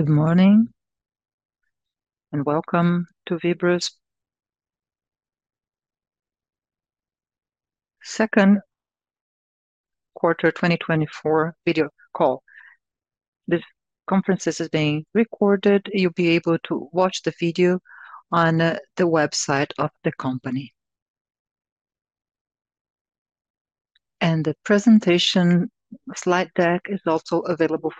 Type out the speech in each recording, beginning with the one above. Good morning, and welcome to Vibra's second quarter 2024 video call. This conference is being recorded. You'll be able to watch the video on the website of the company. The presentation slide deck is also available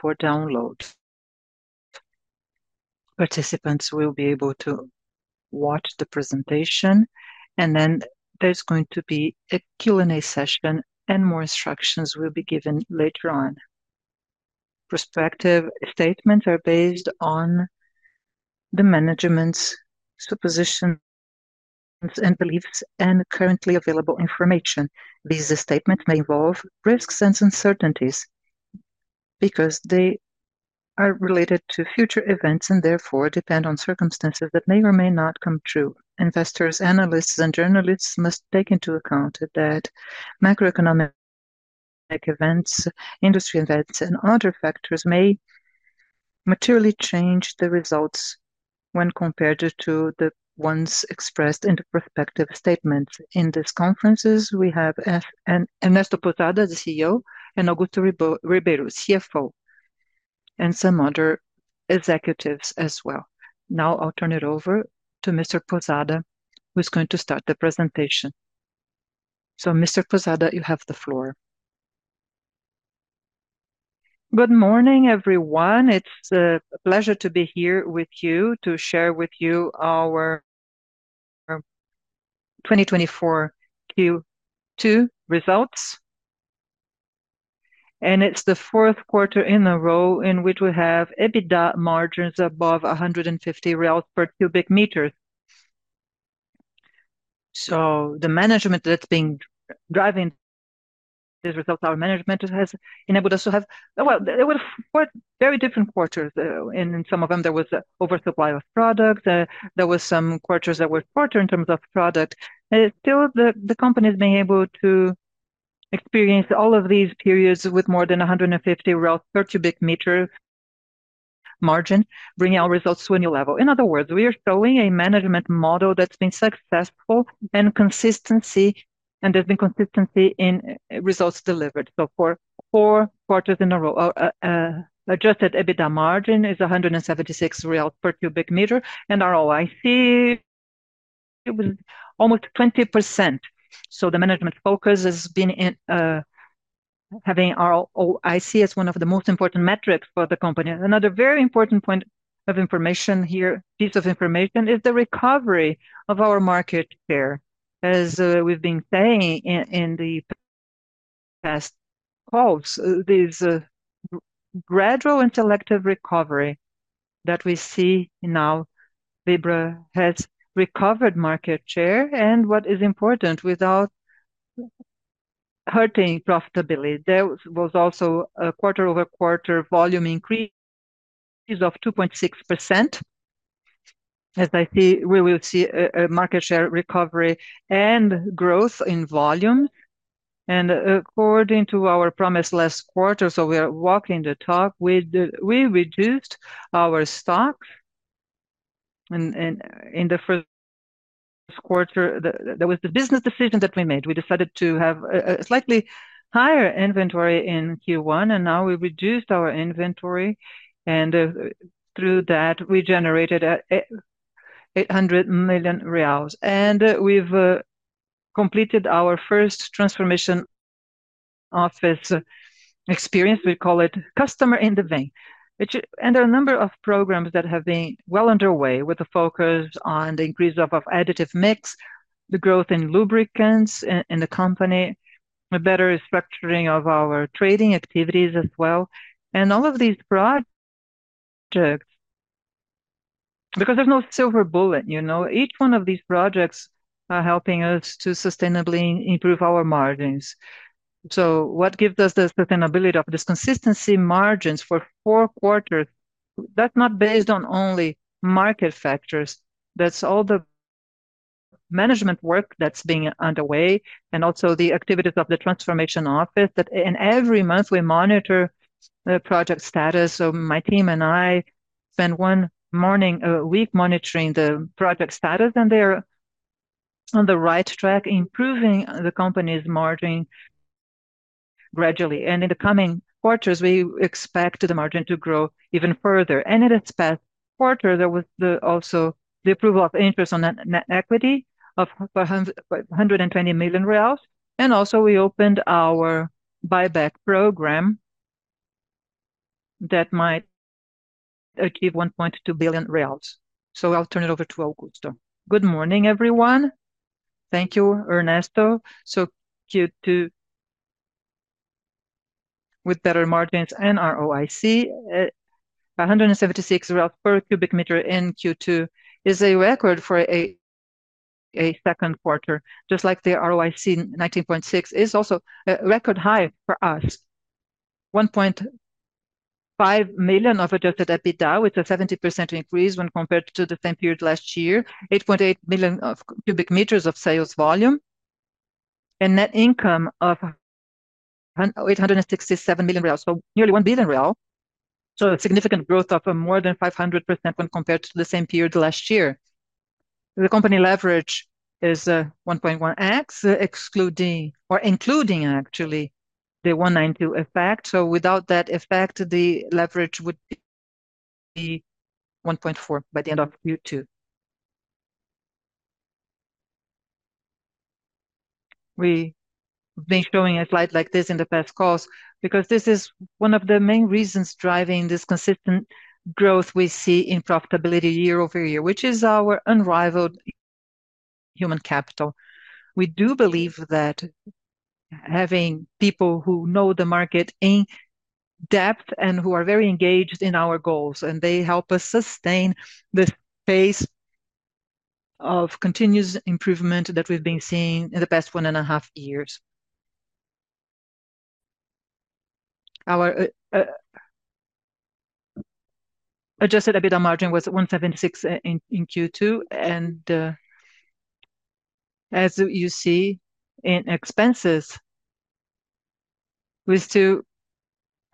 for download. Participants will be able to watch the presentation, and then there's going to be a Q&A session, and more instructions will be given later on. Prospective statements are based on the management's suppositions and beliefs and currently available information. These statements may involve risks and uncertainties because they are related to future events, and therefore depend on circumstances that may or may not come true. Investors, analysts, and journalists must take into account that macroeconomic events, industry events, and other factors may materially change the results when compared to the ones expressed in the prospective statements. In this conference, we have Ernesto Pousada, the CEO, and Augusto Ribeiro, CFO, and some other executives as well. Now I'll turn it over to Mr. Pousada, who's going to start the presentation. So, Mr. Pousada, you have the floor. Good morning, everyone. It's a pleasure to be here with you to share with you our 2024 Q2 results. And it's the fourth quarter in a row in which we have EBITDA margins above 150 reais per cubic meter. So the management that's been driving these results, our management has enabled us to have... Well, they were quite very different quarters, in some of them there was an oversupply of products, there was some quarters that were poorer in terms of product. And still, the company's been able to experience all of these periods with more than 150 per cubic meter margin, bringing our results to a new level. In other words, we are showing a management model that's been suceessful, and there's been consistency in results delivered. So for four quarters in a row, adjusted EBITDA margin is 176 real per cubic meter, and ROIC was almost 20%. So the management focus has been in having ROIC as one of the most important metrics for the company. Another very important point of information here, piece of information, is the recovery of our market share. As we've been saying in the past calls, there's a gradual incremental recovery that we see now. Vibra has recovered market share, and what is important, without hurting profitability. There was also a quarter-over-quarter volume increase of 2.6%. As I see, we will see a market share recovery and growth in volume. And according to our promise last quarter, so we are walking the talk, we reduced our stock. And in the first quarter, there was the business decision that we made. We decided to have a slightly higher inventory in Q1, and now we reduced our inventory, and through that, we generated 800 million reais. And we've completed our first transformation office experience. We call it Customer in the Vein, which... And there are a number of programs that have been well underway, with a focus on the increase of additive mix, the growth in lubricants in the company, a better restructuring of our trading activities as well. And all of these projects, because there's no silver bullet, you know, each one of these projects are helping us to sustainably improve our margins. So what gives us the sustainability of this consistency margins for four quarters, that's not based on only market factors, that's all the management work that's being underway, and also the activities of the Transformation Office. And every month we monitor the project status, so my team and I spend one morning a week monitoring the project status, and they are on the right track, improving the company's margin gradually. And in the coming quarters, we expect the margin to grow even further. And in this past quarter, there was also the approval of interest on net equity of 120 million reais. And also, we opened our buyback program that might achieve 1.2 billion reais. So I'll turn it over to Augusto. Good morning, everyone. Thank you, Ernesto. So Q2, with better margins and ROIC, 176 BRL per cubic meter in Q2 is a record for a second quarter. Just like the ROIC, 19.6, is also a record high for us. 1.5 million of adjusted EBITDA, which a 70% increase when compared to the same period last year, 8.8 million of cubic meters of sales volume, and net income of eight hundred and sixty-seven million reais, so nearly 1 billion real. So a significant growth of more than 500% when compared to the same period last year. The company leverage is 1.1x, excluding or including actually the 192 effect. So without that effect, the leverage would be 1.4 by the end of Q2. We've been showing a slide like this in the past calls, because this is one of the main reasons driving this consistent growth we see in profitability year-over-year, which is our unrivaled human capital. We do believe that having people who know the market in depth and who are very engaged in our goals, and they help us sustain the pace of continuous improvement that we've been seeing in the past one and a half years. Our adjusted EBITDA margin was 17.6 in Q2, and as you see in expenses, we still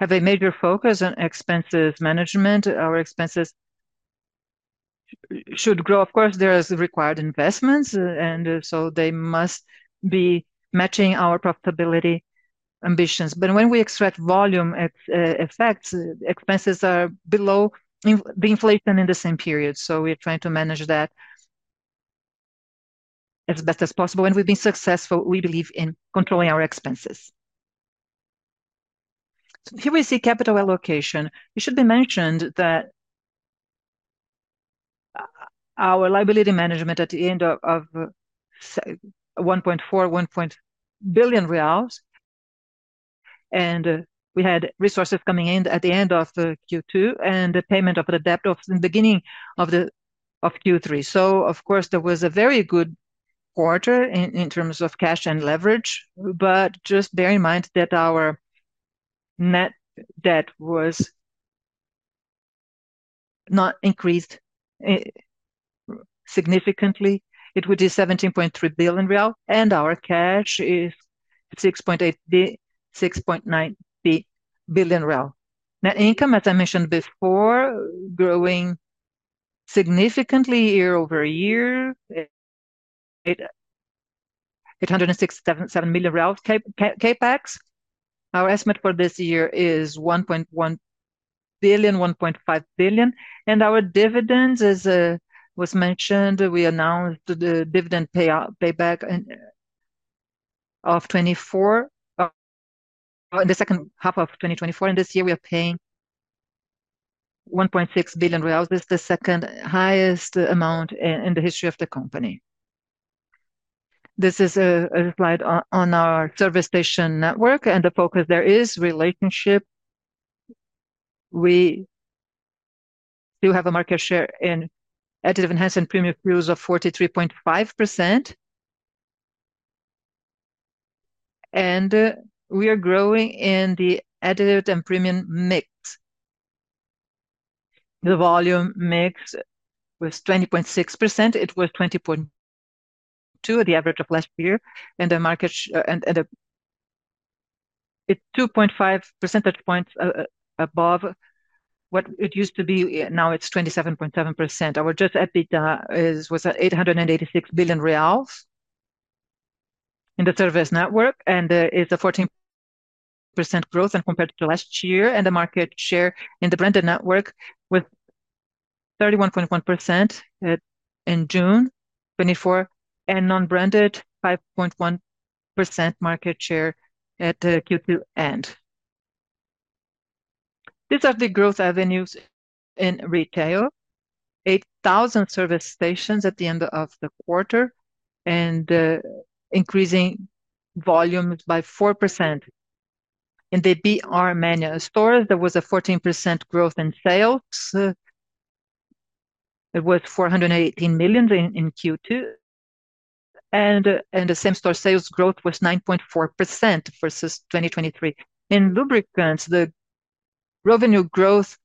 have a major focus on expenses management. Our expenses should grow. Of course, there is required investments, and so they must be matching our profitability ambitions. But when we extract volume at effects, expenses are below in the inflation in the same period. So we are trying to manage that as best as possible, and we've been successful, we believe, in controlling our expenses. So here we see capital allocation. It should be mentioned that, our liability management at the end of, of, say, 1.41 billion reais, and we had resources coming in at the end of the Q2, and the payment of the debt of the beginning of Q3. So of course, there was a very good quarter in terms of cash and leverage, but just bear in mind that our net debt was not increased significantly. It was just 17.3 billion reals, and our cash is 6.9 billion reals. Net income, as I mentioned before, growing significantly year-over-year, 867 million real. CapEx. Our estimate for this year is 1.1 billion, 1.5 billion, and our dividends, as was mentioned, we announced the dividend payout buyback in of 2024... in the second half of 2024, and this year we are paying 1.6 billion reais. This is the second highest amount in the history of the company. This is a slide on our service station network, and the focus there is relationship. We do have a market share in additive, enhanced and premium fuels of 43.5%. And we are growing in the additive and premium mix. The volume mix was 20.6%. It was 20.2% the average of last year, and the market and the... It's 2.5 percentage points above what it used to be. Now, it's 27.7%. Our adjusted EBITDA is, was at 886 billion reais in the service network, and it's a 14% growth when compared to last year, and the market share in the branded network with 31.1% in June 2024, and non-branded, 5.1% market share at the Q2 end. These are the growth avenues in retail. 8,000 service stations at the end of the quarter, and increasing volume by 4%. In the BR Mania stores, there was a 14% growth in sales. It was 418 million in Q2, and the same-store sales growth was 9.4% versus 2023. In lubricants, the revenue growth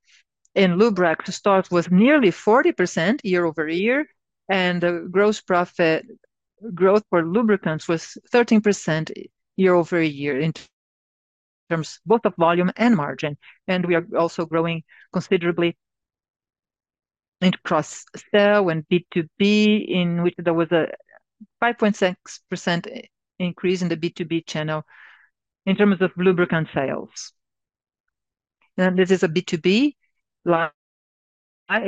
in Lubrax to start with, nearly 40% year-over-year, and the gross profit growth for lubricants was 13% year-over-year, in terms both of volume and margin, and we are also growing considerably in cross-sale and B2B, in which there was a 5.6% increase in the B2B channel in terms of lubricant sales. Then this is a B2B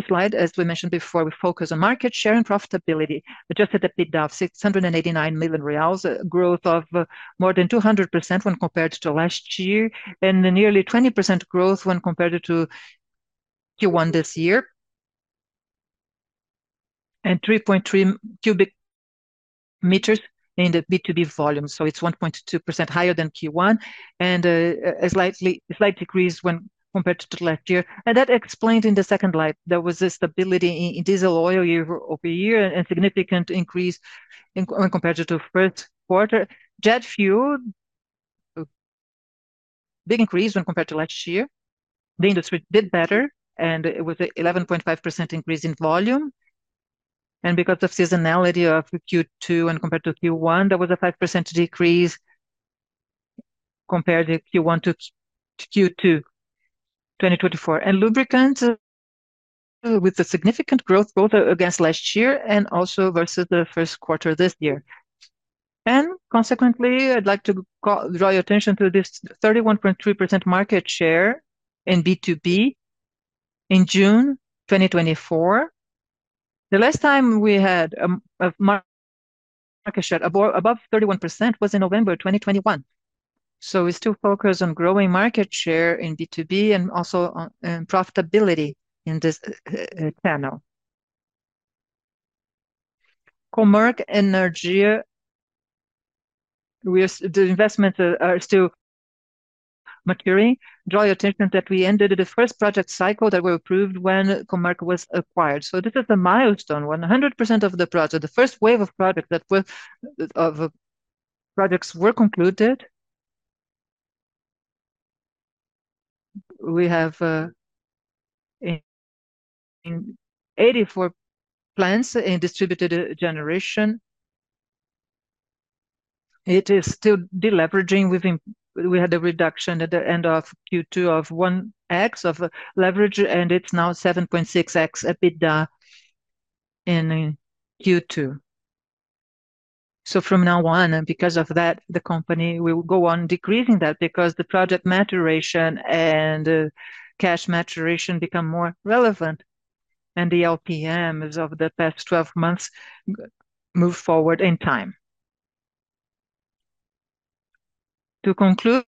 slide. As we mentioned before, we focus on market share and profitability. Adjusted EBITDA of 689 million real, a growth of more than 200% when compared to last year, and a nearly 20% growth when compared to Q1 this year, and 3.3 cubic meters in the B2B volume. So it's 1.2% higher than Q1, and a slight decrease when compared to last year. And that's explained in the second slide, there was a stability in diesel oil year-over-year, and a significant increase in, when compared to the first quarter. Jet fuel. Big increase when compared to last year. The industry did better, and it was an 11.5% increase in volume. And because of seasonality of Q2 and compared to Q1, there was a 5% decrease compared to Q1 to Q2 2024. And lubricants, with a significant growth both against last year and also versus the first quarter this year. And consequently, I'd like to draw your attention to this 31.3% market share in B2B in June 2024. The last time we had a market share above 31% was in November 2021. So we still focus on growing market share in B2B and also on profitability in this channel. Comerc Energia, we are the investments are still maturing. Draw your attention that we ended the first project cycle that were approved when Comerc was acquired. So this is a milestone, 100% of the project. The first wave of projects were concluded. We have 84 plants in distributed generation. It is still deleveraging. We had a reduction at the end of Q2 of 1x of leverage, and it's now 7.6x EBITDA in Q2. So from now on, and because of that, the company will go on decreasing that because the project maturation and cash maturation become more relevant, and the LTMs of the past 12 months move forward in time. To conclude,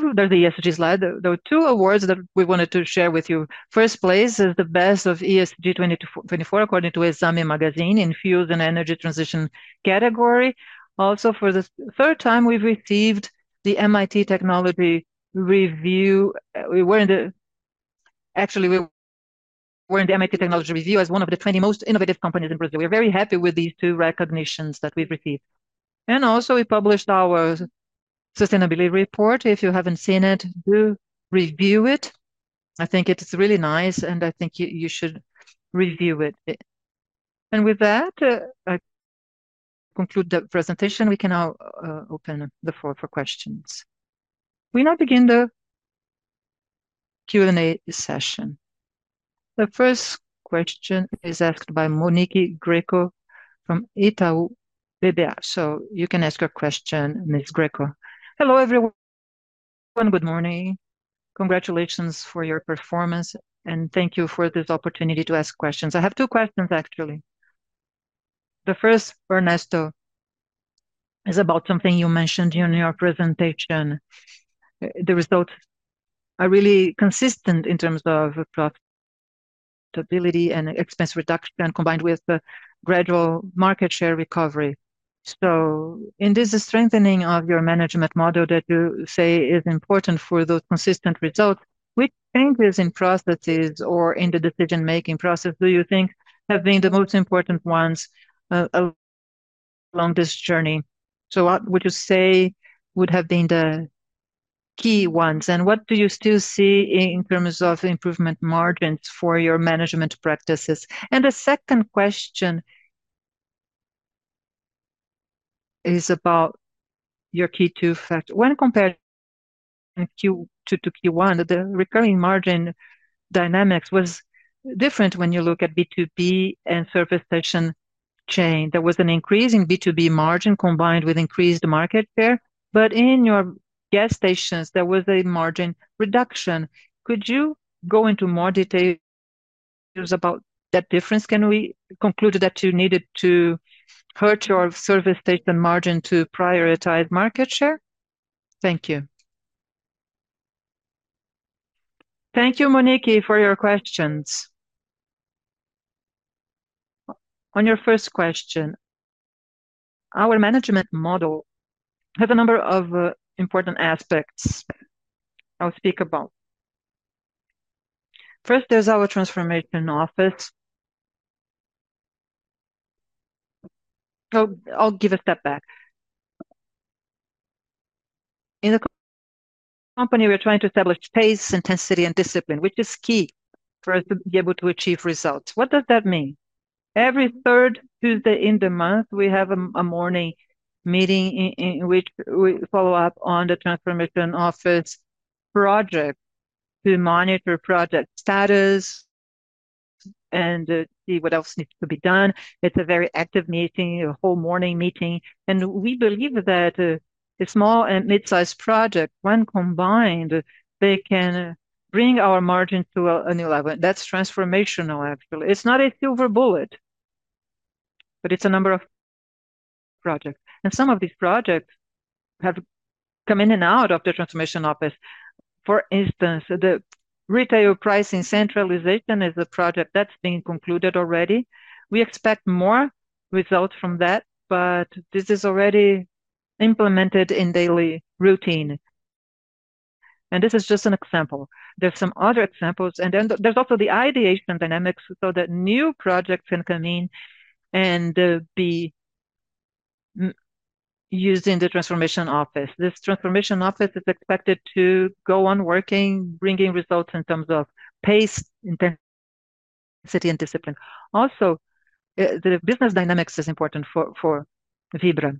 the ESG slide. There are two awards that we wanted to share with you. First place is the best of ESG 2024, according to Exame magazine in fuels and energy transition category. Also, for the third time, we've received the MIT Technology Review. We were in the... Actually, we were in the MIT Technology Review as one of the 20 most innovative companies in Brazil. We're very happy with these two recognitions that we've received. And also, we published our sustainability report. If you haven't seen it, do review it. I think it's really nice, and I think you should review it. And with that, I conclude the presentation. We can now open the floor for questions. We now begin the Q&A session. The first question is asked by Monique Greco from Itaú BBA. So you can ask your question, Ms. Greco. Hello, everyone. Good morning. Congratulations for your performance, and thank you for this opportunity to ask questions. I have two questions, actually. The first, Ernesto, is about something you mentioned in your presentation. The results are really consistent in terms of profitability and expense reduction, combined with the gradual market share recovery. So in this strengthening of your management model that you say is important for those consistent results, which changes in processes or in the decision-making process do you think have been the most important ones, along this journey? So what would you say would have been the key ones, and what do you still see in terms of improvement margins for your management practices? And the second question is about your Q2 factor. When compared Q2 to Q1, the recurring margin dynumics was different when you look at B2B and service station chain. There was an increase in B2B margin, combined with increased market share. But in your gas stations, there was a margin reduction. Could you go into more details about that difference? Can we conclude that you needed to hurt your service station margin to prioritize market share? Thank you. Thank you, Monique, for your questions. On your first question, our management model has a number of important aspects I'll speak about. First, there's our Transformation Office. So I'll give a step back. In the company, we are trying to establish pace, intensity, and discipline, which is key for us to be able to achieve results. What does that mean? Every third Tuesday in the month, we have a morning meeting in which we follow up on the Transformation Office project to monitor project status and see what else needs to be done. It's a very active meeting, a whole morning meeting, and we believe that the small and mid-sized project, when combined, they can bring our margin to a new level. That's transformational, actually. It's not a silver bullet, but it's a number of projects. And some of these projects have come in and out of the transformation office. For instance, the retail pricing centralization is a project that's been concluded already. We expect more results from that, but this is already implemented in daily routine. And this is just an example. There are some other examples, and then there's also the ideation and dynamics, so that new projects can come in and using the transformation office. This transformation office is expected to go on working, bringing results in terms of pace, intensity, and discipline. Also, the business dynamics is important for Vibra.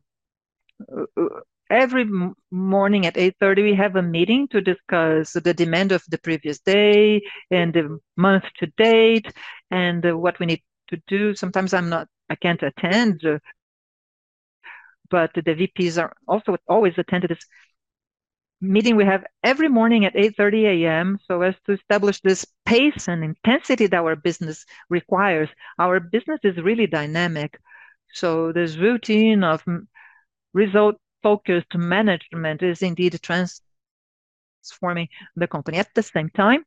Every morning at 8:30 A.M., we have a meeting to discuss the demand of the previous day and the month to date, and what we need to do. Sometimes I can't attend, but the VPs are also always attend to this meeting we have every morning at 8:30 A.M., so as to establish this pace and intensity that our business requires. Our business is really dynamic, so this routine of result-focused management is indeed transforming the company. At the same time,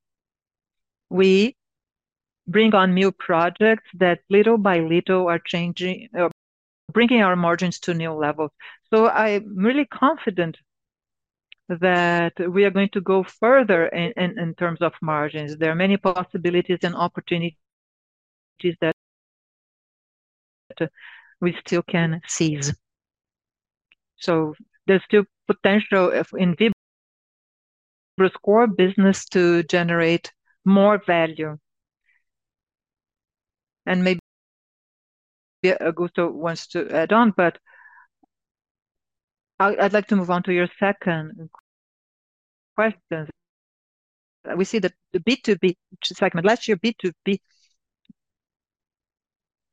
we bring on new projects that little by little are changing, bringing our margins to new levels. So I'm really confident that we are going to go further in terms of margins. There are many possibilities and opportunities that we still can seize. So there's still potential in Vibra's core business to generate more value. Maybe Augusto wants to add on, but I'd like to move on to your second question. We see the B2B segment. Last year, B2B,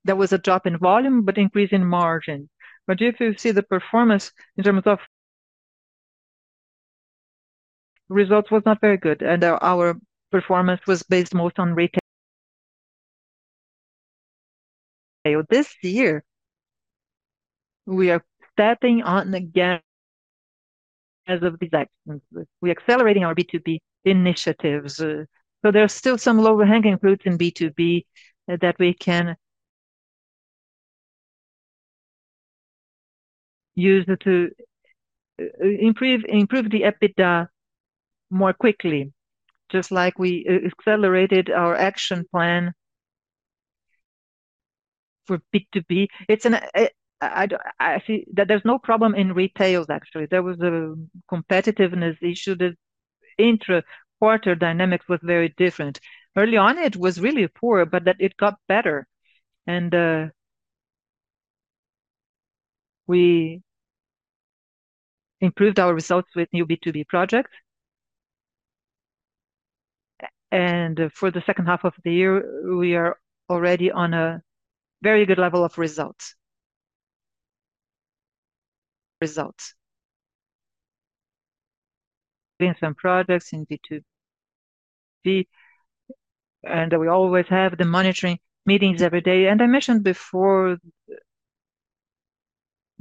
there was a drop in volume, but increase in margin. But if you see the performance in terms of results was not very good, and our performance was based most on retail. This year, we are stepping on again as of these actions. We're accelerating our B2B initiatives, so there are still some lower hanging fruits in B2B that we can use to improve the EBITDA more quickly, just like we accelerated our action plan for B2B. It's, I don't see that there's no problem in retail, actually. There was a competitiveness issue. The intra-quarter dynamic was very different. Early on, it was really poor, but it got better. And we improved our results with new B2B projects. And for the second half of the year, we are already on a very good level of results in some projects in B2B, and we always have the monitoring meetings every day. And I mentioned before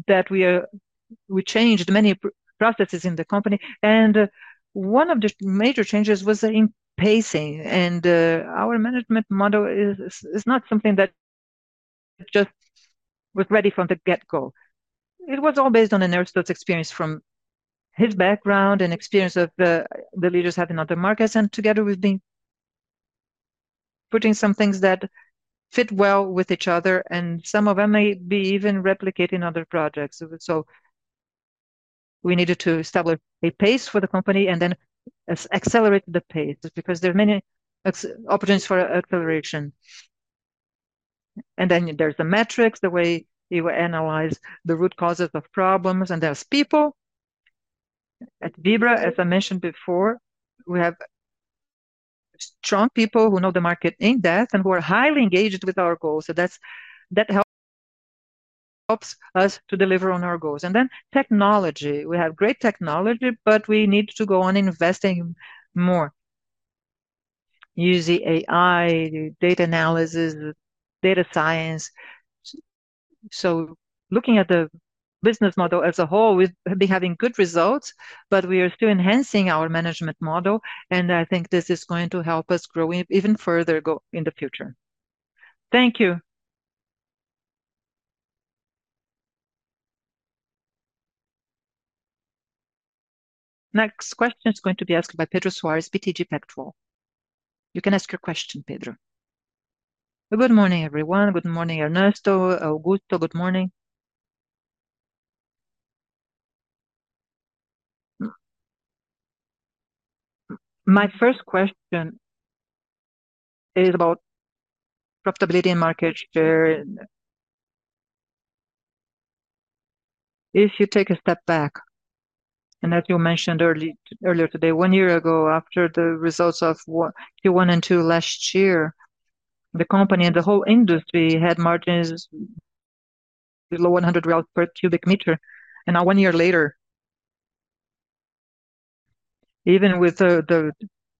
that we changed many processes in the company, and one of the major changes was in pacing. And our management model is not something that just was ready from the get-go. It was all based on Ernesto's experience from his background and experience of the leaders have in other markets, and together we've been putting some things that fit well with each other, and some of them may be even replicated in other projects. So we needed to establish a pace for the company and then accelerate the pace, because there are many opportunities for acceleration. And then there's the metrics, the way we analyze the root causes of problems, and there's people. At Vibra, as I mentioned before, we have strong people who know the market in depth and who are highly engaged with our goals, so that helps us to deliver on our goals. And then technology. We have great technology, but we need to go on investing more, use the AI, data analysis, data science. So looking at the business model as a whole, we've been having good results, but we are still enhancing our management model, and I think this is going to help us grow even further in the future. Thank you. Next question is going to be asked by Pedro Soares, BTG Pactual. You can ask your question, Pedro. Good morning, everyone. Good morning, Ernesto. Augusto, good morning. My first question is about profitability and market share. If you take a step back, and as you mentioned early, earlier today, one year ago, after the results of Q1 and Q2 last year, the company and the whole industry had margins below 100 per cubic meter. And now, one year later, even with the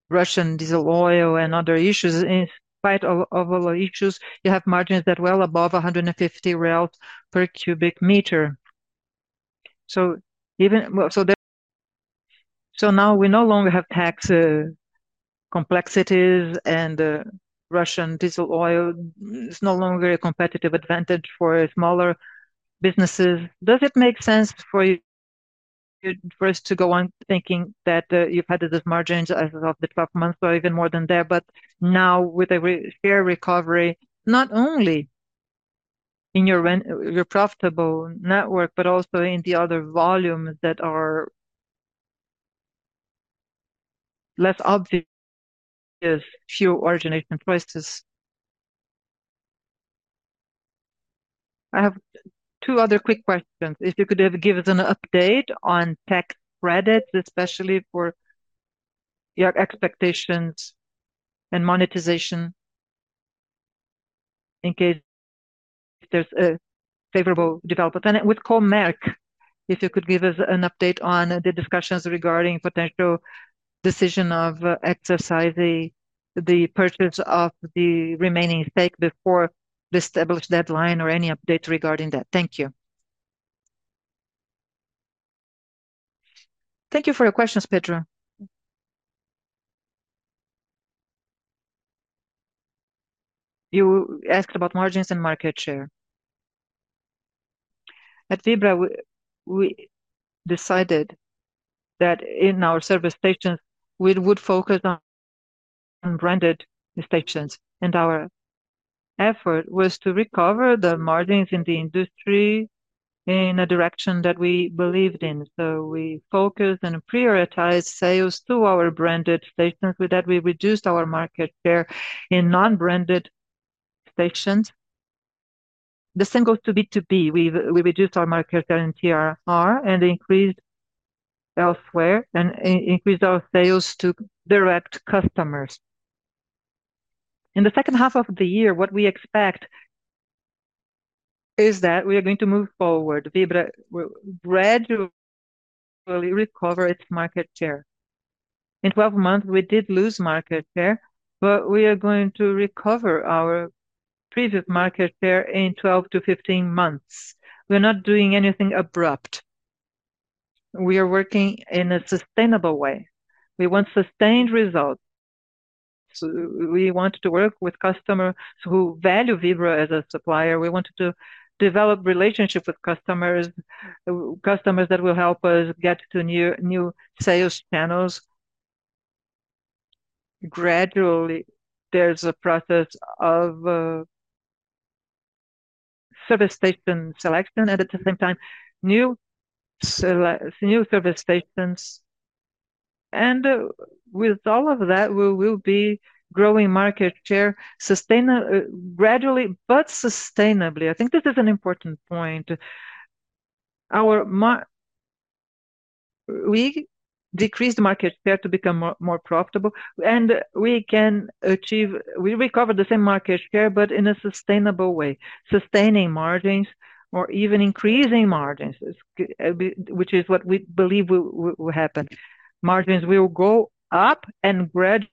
Russian diesel oil and other issues, in spite of all issues, you have margins that well above 150 per cubic meter. So even... Well, so now we no longer have tax complexities and Russian diesel oil is no longer a competitive advantage for smaller businesses. Does it make sense for you-... You're first to go on thinking that you've had these margins as of the 12 months or even more than that. But now with a fair recovery, not only in your profitable network, but also in the other volumes that are less obvious is fewer origination choices. I have two other quick questions. If you could give us an update on tax credit, especially for your expectations and monetization in case there's a favorable development? And with Comerc, if you could give us an update on the discussions regarding potential decision of exercising the purchase of the remaining stake before the established deadline or any update regarding that? Thank you. Thank you for your questions, Pedro. You asked about margins and market share. At Vibra, we decided that in our service stations, we would focus on branded stations, and our effort was to recover the margins in the industry in a direction that we believed in. So we focused and prioritized sales to our branded stations. With that, we reduced our market share in non-branded stations. The same goes to B2B. We've reduced our market share in TRR and increased elsewhere, and increased our sales to direct customers. In the second half of the year, what we expect is that we are going to move forward. Vibra will gradually recover its market share. In 12 months, we did lose market share, but we are going to recover our previous market share in 12-15 months. We're not doing anything abrupt. We are working in a sustainable way. We want sustained results. So we want to work with customers who value Vibra as a supplier. We want to develop relationships with customers, customers that will help us get to new sales channels. Gradually, there's a process of service station selection, and at the same time, new service stations. With all of that, we will be growing market share gradually but sustainably. I think this is an important point. Our market share. We decreased market share to become more profitable, and we can achieve. We recover the same market share, but in a sustainable way, sustaining margins or even increasing margins, which is what we believe will happen. Margins will go up, and gradually,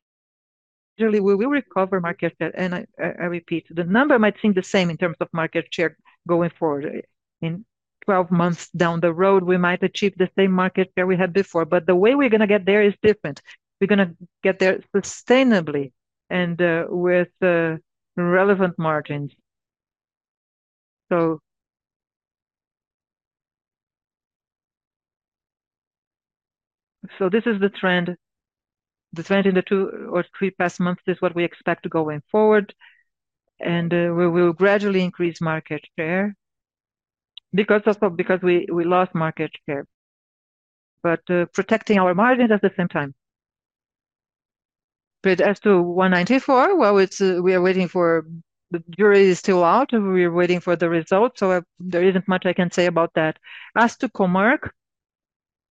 we will recover market share. I repeat, the number might seem the same in terms of market share going forward. In 12 months down the road, we might achieve the same market share we had before, but the way we're going to get there is different. We're going to get there sustainably and, with, relevant margins. So, so this is the trend. The trend in the two or three past months, this is what we expect going forward, and, we will gradually increase market share because of, because we, we lost market share, but, protecting our margins at the same time. But as to 194, well, it's, we are waiting for... The jury is still out, and we are waiting for the results, so there isn't much I can say about that. As to Comerc,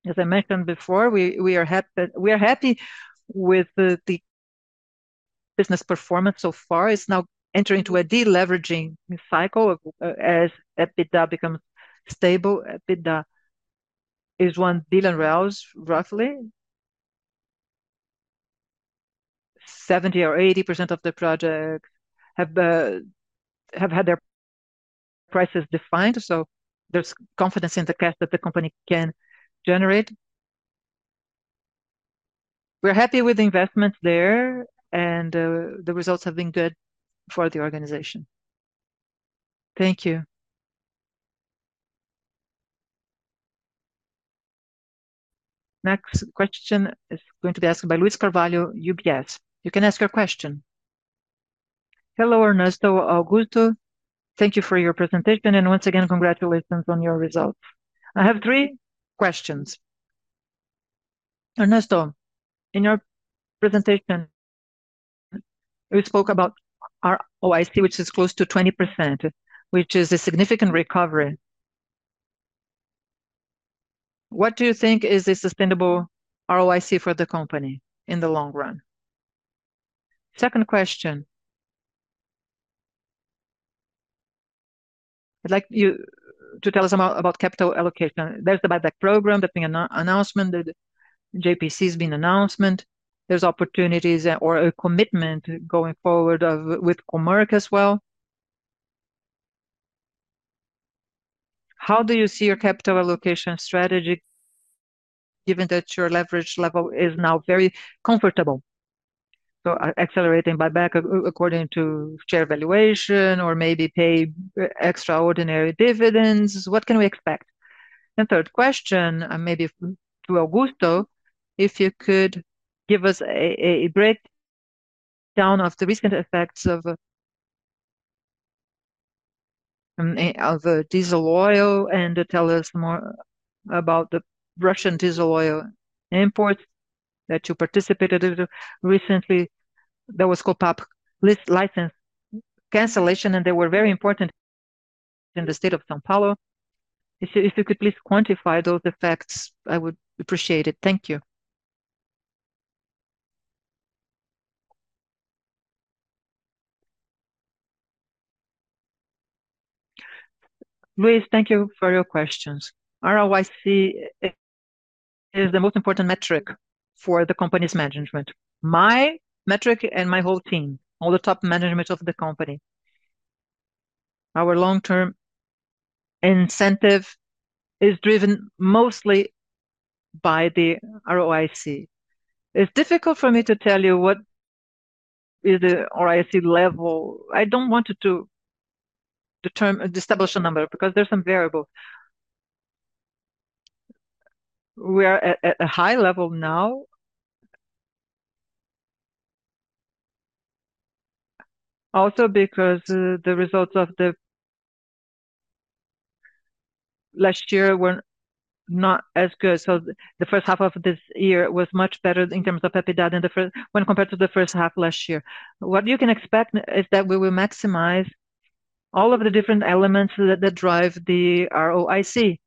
as I mentioned before, we, we are happy with the, the business performance so far. It's now entering into a deleveraging cycle, as EBITDA becomes stable. EBITDA is BRL 1 billion, roughly. 70% or 80% of the projects have had their prices defined, so there's confidence in the cash that the company can generate. We're happy with the investment there, and the results have been good for the organization. Thank you. Next question is going to be asked by Luiz Carvalho, UBS. You can ask your question. Hello, Ernesto, Augusto. Thank you for your presentation, and once again, congratulations on your results. I have three questions. Ernesto, in your presentation, you spoke about ROIC, which is close to 20%, which is a significant recovery. What do you think is a sustainable ROIC for the company in the long run? Second question: I'd like you to tell us about capital allocation. There's the buyback program, the announcement, the JCP's been announced. There's opportunities or a commitment going forward of, with Comerc as well. How do you see your capital allocation strategy, given that your leverage level is now very comfortable? So, accelerating buyback according to share valuation or maybe pay extraordinary dividends. What can we expect? And third question, maybe to Augusto, if you could give us a breakdown of the recent effects of the diesel oil, and tell us more about the Russian diesel oil imports that you participated in recently. There was Copape license cancellation, and they were very important in the state of São Paulo. If you could please quantify those effects, I would appreciate it. Thank you. Luis, thank you for your questions. ROIC is the most important metric for the company's management. My metric and my whole team, all the top management of the company. Our long-term incentive is driven mostly by the ROIC. It's difficult for me to tell you what is the ROIC level. I don't want to establish a number because there's some variable. We are at a high level now, also because the results of the last year were not as good. So the first half of this year was much better in terms of EBITDA than when compared to the first half last year. What you can expect is that we will maximize all of the different elements that drive the ROIC.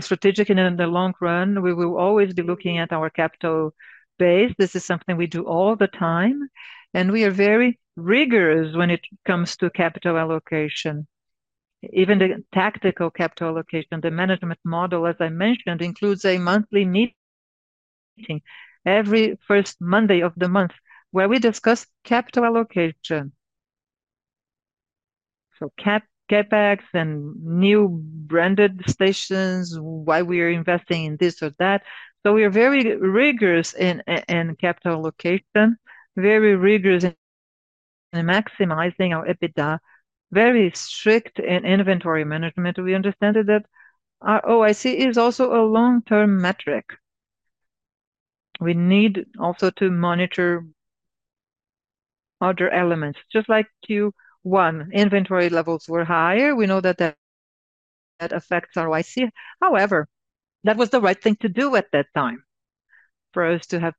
Strategically, and in the long run, we will always be looking at our capital base. This is something we do all the time, and we are very rigorous when it comes to capital allocation. Even the tactical capital allocation, the management model, as I mentioned, includes a monthly meeting every first Monday of the month, where we discuss capital allocation. So CapEx and new branded stations, why we are investing in this or that. So we are very rigorous in capital allocation, very rigorous in maximizing our EBITDA, very strict in inventory management. We understand that ROIC is also a long-term metric. We need also to monitor other elements. Just like Q1, inventory levels were higher. We know that affects ROIC. However, that was the right thing to do at that time for us to have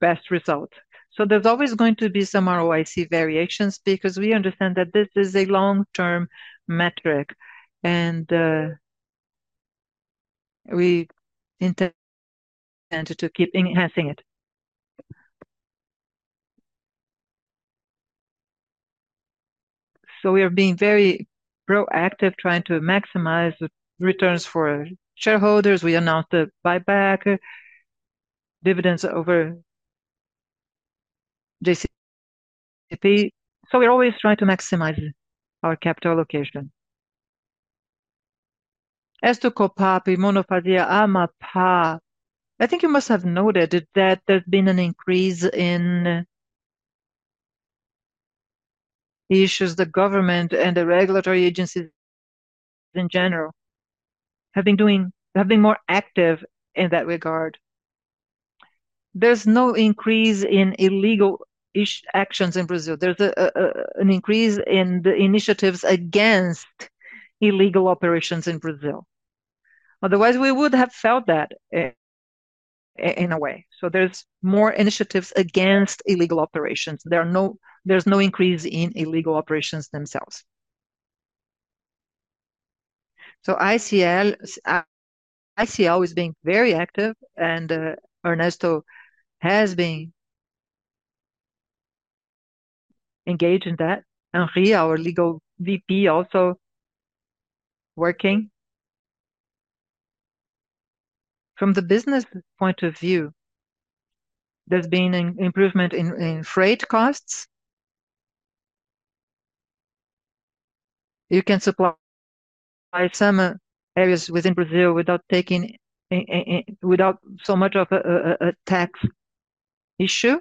best results. So there's always going to be some ROIC variations because we understand that this is a long-term metric, and we intend to keep enhancing it. So we are being very proactive, trying to maximize the returns for shareholders. We announced the buyback dividends over JCP, so we're always trying to maximize our capital allocation. As to Copape, Monofasia, Amapá, I think you must have noted that there's been an increase in issues. The government and the regulatory agencies in general have been more active in that regard. There's no increase in illegal-ish actions in Brazil. There's an increase in the initiatives against illegal operations in Brazil. Otherwise, we would have felt that in a way. So there's more initiatives against illegal operations. There's no increase in illegal operations themselves. So ICL, ICL is being very active, and Ernesto has been engaged in that. Henry, our Legal VP, also working. From the business point of view, there's been an improvement in freight costs. You can supply some areas within Brazil without taking without so much of a tax issue.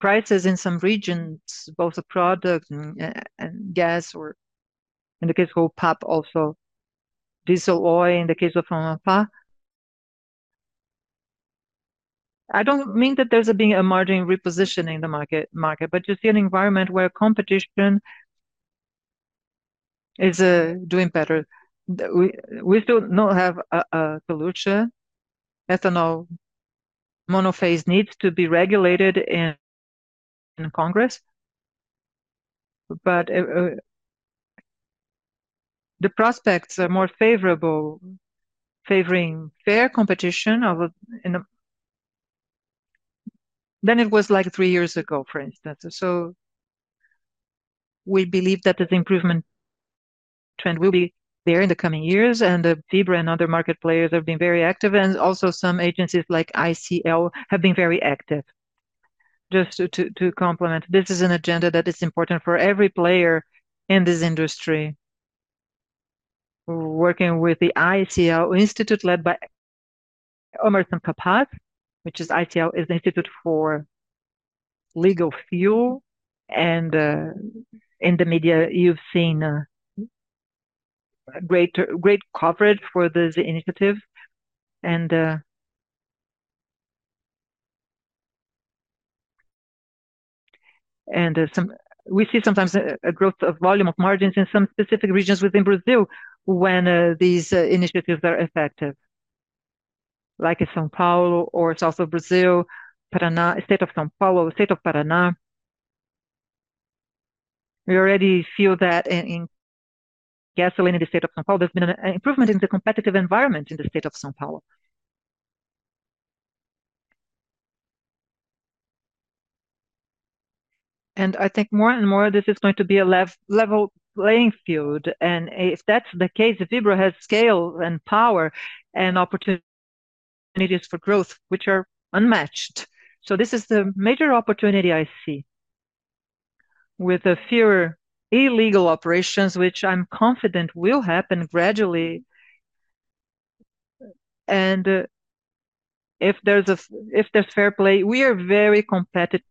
Prices in some regions, both the product and gas or in the case of Copape, also diesel oil, in the case of Amapá. I don't mean that there's been a margin repositioning in the market, but you see an environment where competition is doing better. We do not have a solution. Ethanol monophasic needs to be regulated in Congress, but the prospects are more favorable, favoring fair competition in a than it was like three years ago, for instance. So we believe that this improvement trend will be there in the coming years, and the Vibra and other market players have been very active, and also some agencies like ICL have been very active. Just to complement, this is an agenda that is important for every player in this industry. We're working with the ICL Institute, led by Emerson Kapaz, which is ICL, is the Institute for Legal Fuel, and in the media, you've seen a great, great coverage for this initiative. And some we see sometimes a growth of volume of margins in some specific regions within Brazil when these initiatives are effective, like in São Paulo or south of Brazil, Paraná, state of São Paulo, state of Paraná. We already feel that in gasoline in the state of São Paulo, there's been an improvement in the competitive environment in the state of São Paulo. And I think more and more this is going to be a level playing field, and if that's the case, Vibra has scale, and power, and opportunities for growth, which are unmatched. So this is the major opportunity I see. With fewer illegal operations, which I'm confident will happen gradually, and if there's fair play, we are very competitive,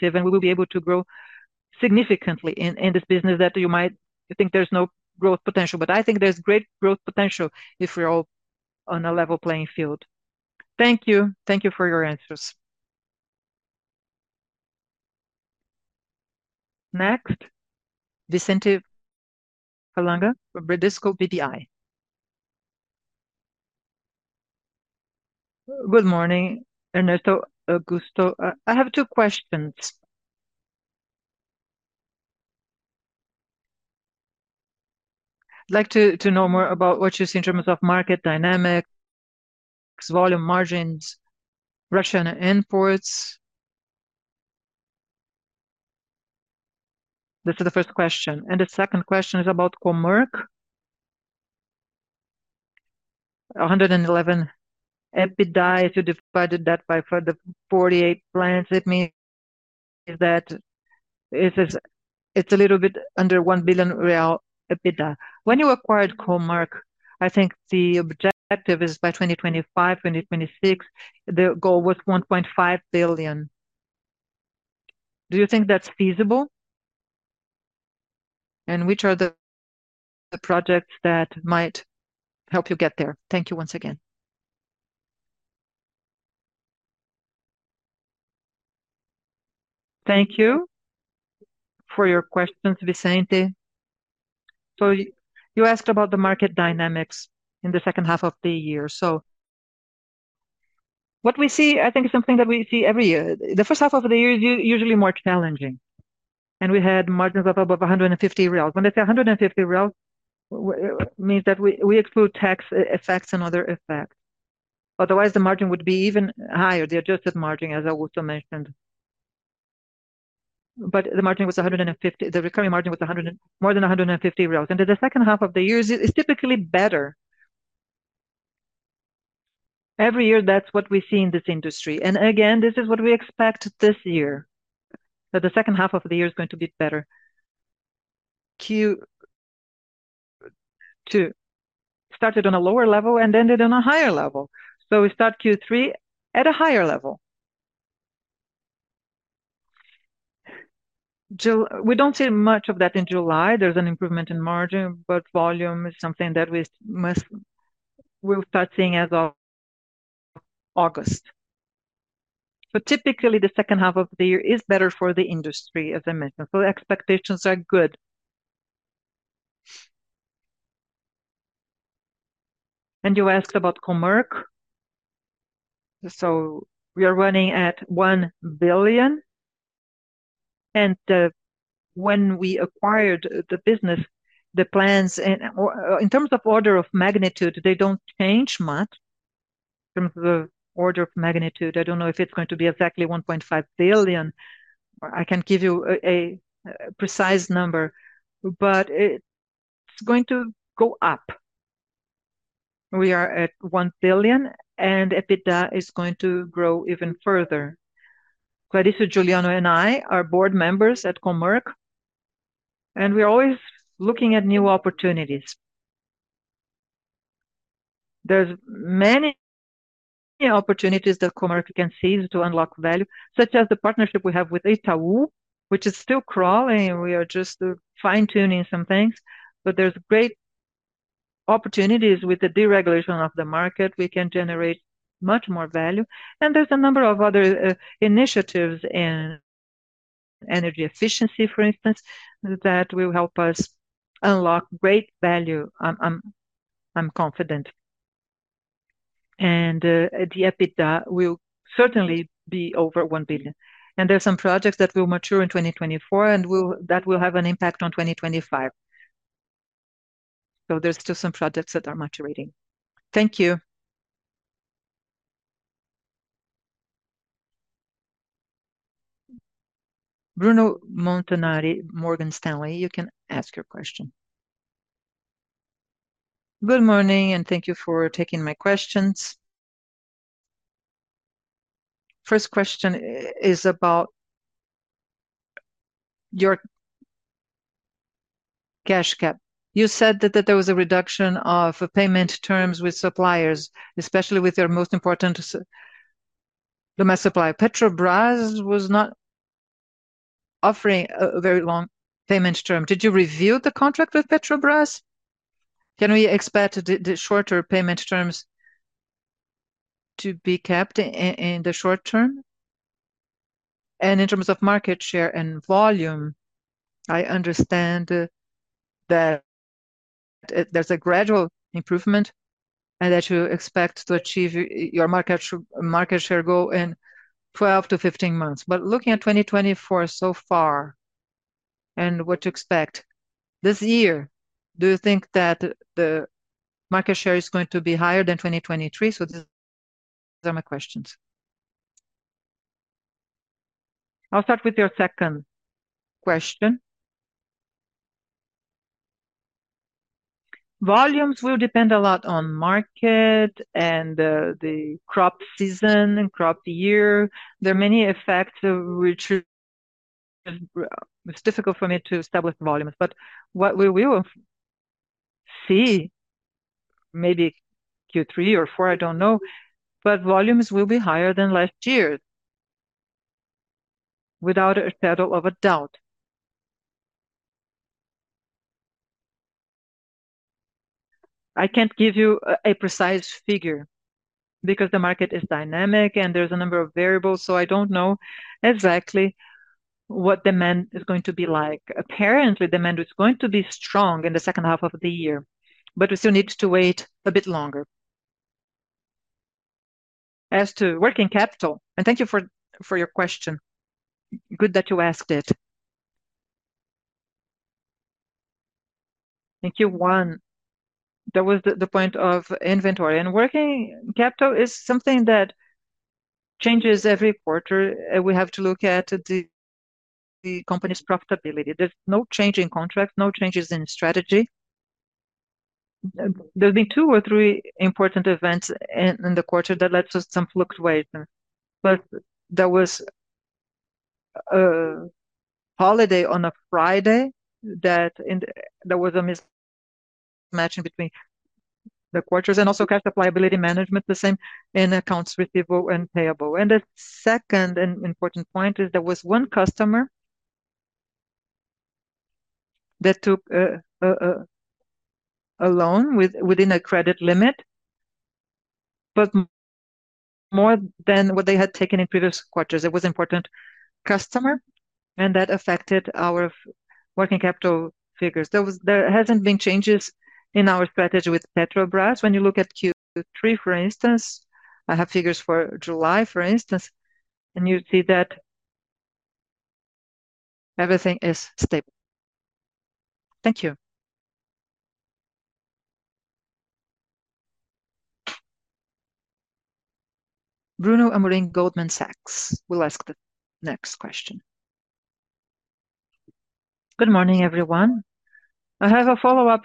and we will be able to grow significantly in this business that you might think there's no growth potential. But I think there's great growth potential if we're all on a level playing field. Thank you. Thank you for your answers. Next, Vicente Falanga from Bradesco BBI. Good morning, Ernesto, Augusto. I have two questions. I'd like to know more about what you see in terms of market dynamics, volume margins, Russian imports. This is the first question, and the second question is about Comerc. 111 EBITDA, if you divided that by for the 48 plants, it means that it is. It's a little bit under 1 billion real EBITDA. When you acquired Comerc, I think the objective is by 2025, 2026, the goal was 1.5 billion. Do you think that's feasible? And which are the, the projects that might help you get there? Thank you once again. Thank you for your questions, Vicente. So you, you asked about the market dynamics in the second half of the year. So what we see, I think, is something that we see every year. The first half of the year is usually more challenging, and we had margins of above 150 reais. When I say 150 reais, means that we exclude tax effects and other effects. Otherwise, the margin would be even higher, the adjusted margin, as Augusto mentioned. But the margin was 150. The recurring margin was more than 150 reais. And the second half of the year is typically better. Every year, that's what we see in this industry. And again, this is what we expect this year, that the second half of the year is going to be better. Q2 started on a lower level and ended on a higher level, so we start Q3 at a higher level. We don't see much of that in July. There's an improvement in margin, but volume is something that we'll start seeing as of August. But typically, the second half of the year is better for the industry, as I mentioned, so the expectations are good. And you asked about Comerc. So we are running at 1 billion, and, when we acquired the business, the plans and, or, in terms of order of magnitude, they don't change much from the order of magnitude. I don't know if it's going to be exactly 1.5 billion, or I can give you a, a precise number, but it's going to go up. We are at 1 billion, and EBITDA is going to grow even further. Clarissa, Juliano, and I are board members at Comerc, and we're always looking at new opportunities. There's many opportunities that Comerc can seize to unlock value, such as the partnership we have with Itaú, which is still crawling, and we are just fine-tuning some things. But there's great opportunities. With the deregulation of the market, we can generate much more value, and there's a number of other initiatives in energy efficiency, for instance, that will help us unlock great value. I'm confident. The EBITDA will certainly be over 1 billion. And there are some projects that will mature in 2024 and that will have an impact on 2025. So there's still some projects that are maturing. Thank you. Bruno Montanari, Morgan Stanley, you can ask your question... Good morning, and thank you for taking my questions. First question is about your cash cap. You said that there was a reduction of payment terms with suppliers, especially with your most important domestic supplier. Petrobras was not offering a very long payment term. Did you review the contract with Petrobras? Can we expect the shorter payment terms to be kept in the short term? And in terms of market share and volume, I understand that there's a gradual improvement, and that you expect to achieve your market share goal in 12-15 months. But looking at 2024 so far, and what to expect this year, do you think that the market share is going to be higher than 2023? So these are my questions. I'll start with your second question. Volumes will depend a lot on market and the crop season and crop year. There are many effects which... It's difficult for me to establish volumes. But what we will see, maybe Q3 or Q4, I don't know, but volumes will be higher than last year, without a shadow of a doubt. I can't give you a precise figure because the market is dynamic, and there's a number of variables, so I don't know exactly what demand is going to be like. Apparently, demand is going to be strong in the second half of the year, but we still need to wait a bit longer. As to working capital... Thank you for your question. Good that you asked it. In Q1, that was the point of inventory, and working capital is something that changes every quarter, we have to look at the company's profitability. There's no change in contract, no changes in strategy. There'll be 2 or 3 important events in the quarter that led to some fluctuation, but there was a holiday on a Friday that there was a mismatching between the quarters, and also cash liability management, the same in accounts receivable and payable. The second important point is, there was 1 customer that took a loan within a credit limit, but more than what they had taken in previous quarters. It was an important customer, and that affected our working capital figures. There hasn't been changes in our strategy with Petrobras. When you look at Q3, for instance, I have figures for July, for instance, and you see that everything is stable. Thank you. Bruno Amorim, Goldman Sachs, will ask the next question. Good morning, everyone. I have a follow-up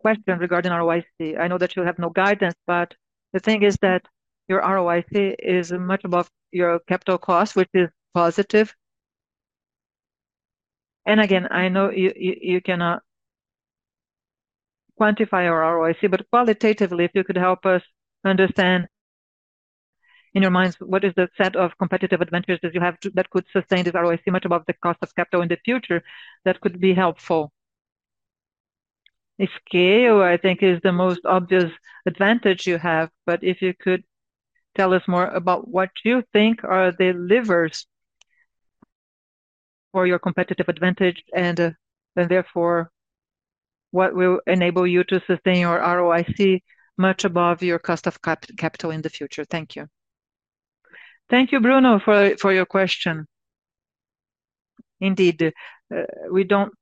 question regarding ROIC. I know that you have no guidance, but the thing is that your ROIC is much above your capital cost, which is positive. And again, I know you cannot quantify your ROIC, but qualitatively, if you could help us understand, in your minds, what is the set of competitive advantages that you have that could sustain this ROIC much above the cost of capital in the future, that could be helpful. The scale, I think, is the most obvious advantage you have, but if you could tell us more about what you think are the levers for your competitive advantage, and therefore, what will enable you to sustain your ROIC much above your cost of capital in the future. Thank you. Thank you, Bruno, for your question. Indeed, we don't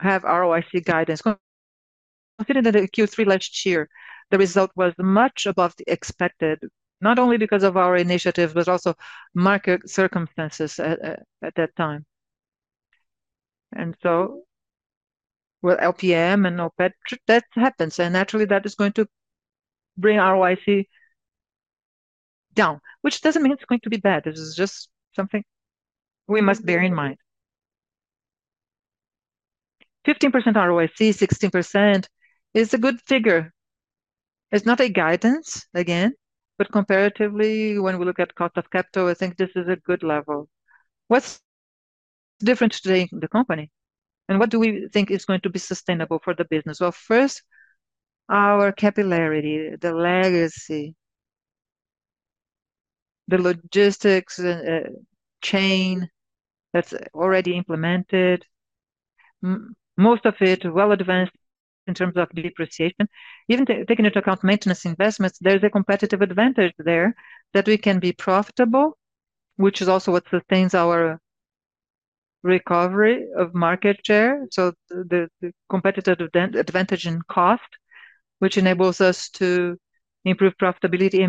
have ROIC guidance. Considering that in Q3 last year, the result was much above the expected, not only because of our initiative, but also market circumstances at that time. And so with LPM and OPET, that happens, and naturally, that is going to bring ROIC down, which doesn't mean it's going to be bad, it is just something we must bear in mind. 15% ROIC, 16%, is a good figure. It's not a guidance, again, but comparatively, when we look at cost of capital, I think this is a good level. What's different today in the company, and what do we think is going to be sustainable for the business? Well, first, our capillarity, the legacy, the logistics chain that's already implemented, most of it well advanced in terms of depreciation. Even taking into account maintenance investments, there's a competitive advantage there that we can be profitable, which is also what sustains our recovery of market share. So the competitive advantage in cost, which enables us to improve profitability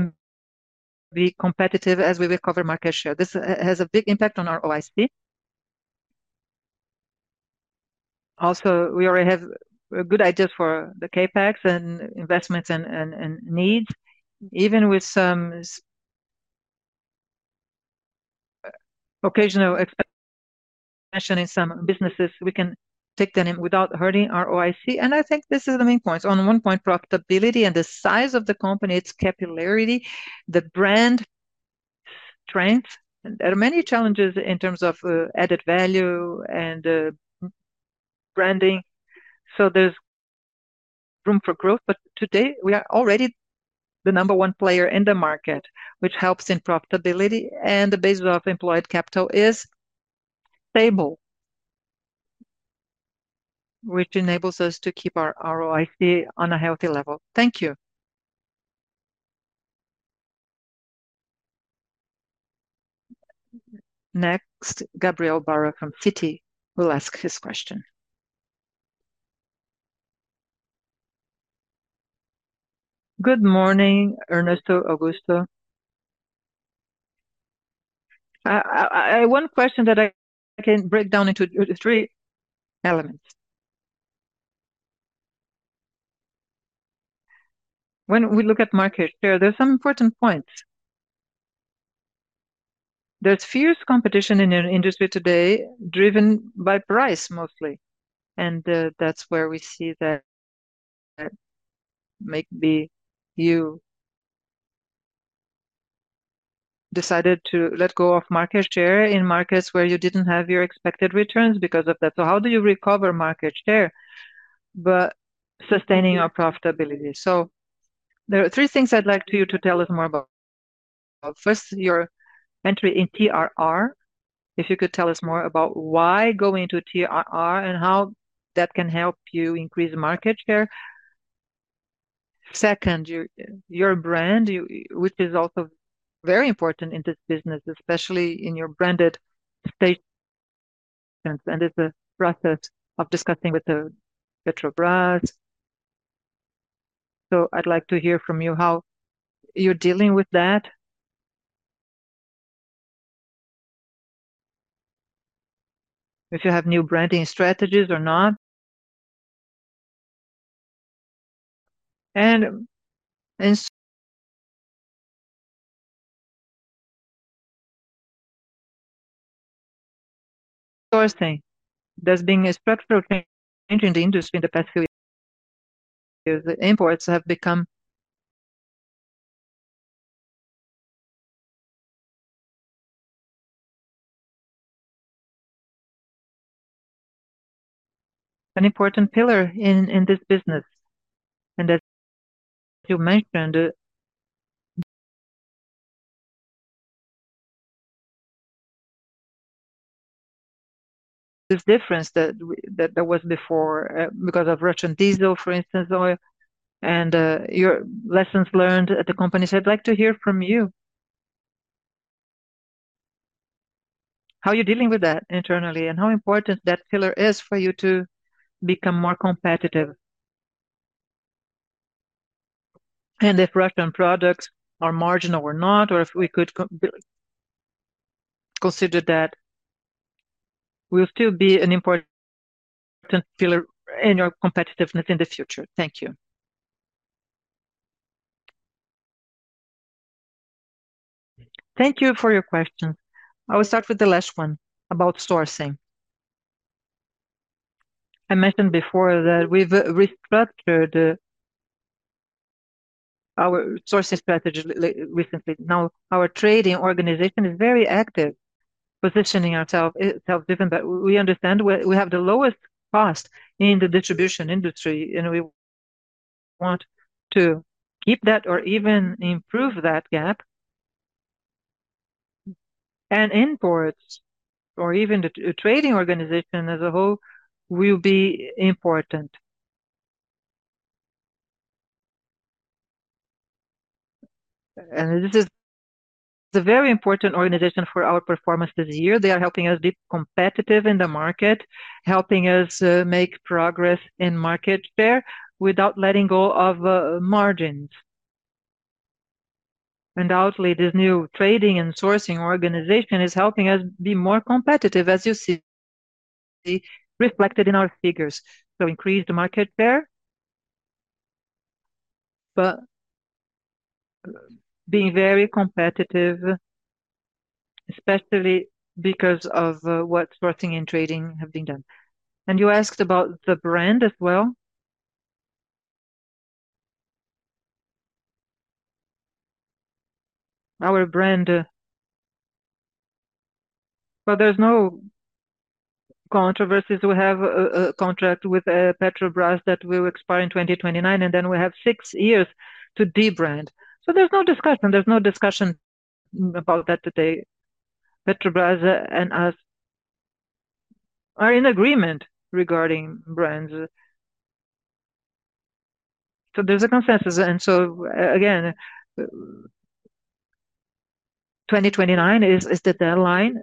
and be competitive as we recover market share. This has a big impact on ROIC. Also, we already have good ideas for the CapEx and investments and needs. Even with some occasional expansion in some businesses, we can take them in without hurting our ROIC. And I think this is the main points. On one point, profitability and the size of the company, its capillarity, the brand trends. There are many challenges in terms of added value and branding, so there's room for growth. But today, we are already the number one player in the market, which helps in profitability, and the base of employed capital is stable, which enables us to keep our ROIC on a healthy level. Thank you. Next, Gabriel Barra from Citi will ask his question. Good morning, Ernesto, Augusto. One question that I can break down into three elements. When we look at market share, there are some important points. There's fierce competition in your industry today, driven by price mostly, and that's where we see that maybe you decided to let go of market share in markets where you didn't have your expected returns because of that. So how do you recover market share, but sustaining your profitability? So there are three things I'd like to you to tell us more about. First, your entry in TRR. If you could tell us more about why go ing into TRR and how that can help you increase market share. Second, your, your brand, you—which is also very important in this business, especially in your branded state, and there's a process of discussing with the Petrobras. So I'd like to hear from you how you're dealing with that. If you have new branding strategies or not. And sourcing. There's been a structural change in the industry in the past few years. The imports have become an important pillar in this business, and that you mentioned this difference that that was before, because of Russian diesel, for instance, oil, and your lessons learned at the company. So I'd like to hear from you, how you're dealing with that internally, and how important that pillar is for you to become more competitive. And if Russian products are marginal or not, or if we could consider that will still be an important pillar in your competitiveness in the future. Thank you. Thank you for your question. I will start with the last one, about sourcing. I mentioned before that we've restructured our sourcing strategy recently. Now, our trading organization is very active, positioning ourself, itself different, but we understand we have the lowest cost in the distribution industry, and we want to keep that or even improve that gap. And imports, or even the trading organization as a whole, will be important. And this is a very important organization for our performance this year. They are helping us be competitive in the market, helping us make progress in market share without letting go of margins. Undoubtedly, this new trading and sourcing organization is helping us be more competitive, as you see reflected in our figures. So increased market share, but being very competitive, especially because of what sourcing and trading have been done. And you asked about the brand as well. Our brand. Well, there's no controversies. We have a contract with Petrobras that will expire in 2029, and then we have six years to debrand. So there's no discussion, there's no discussion about that today. Petrobras and us are in agreement regarding brands. So there's a consensus, and so again, 2029 is the deadline.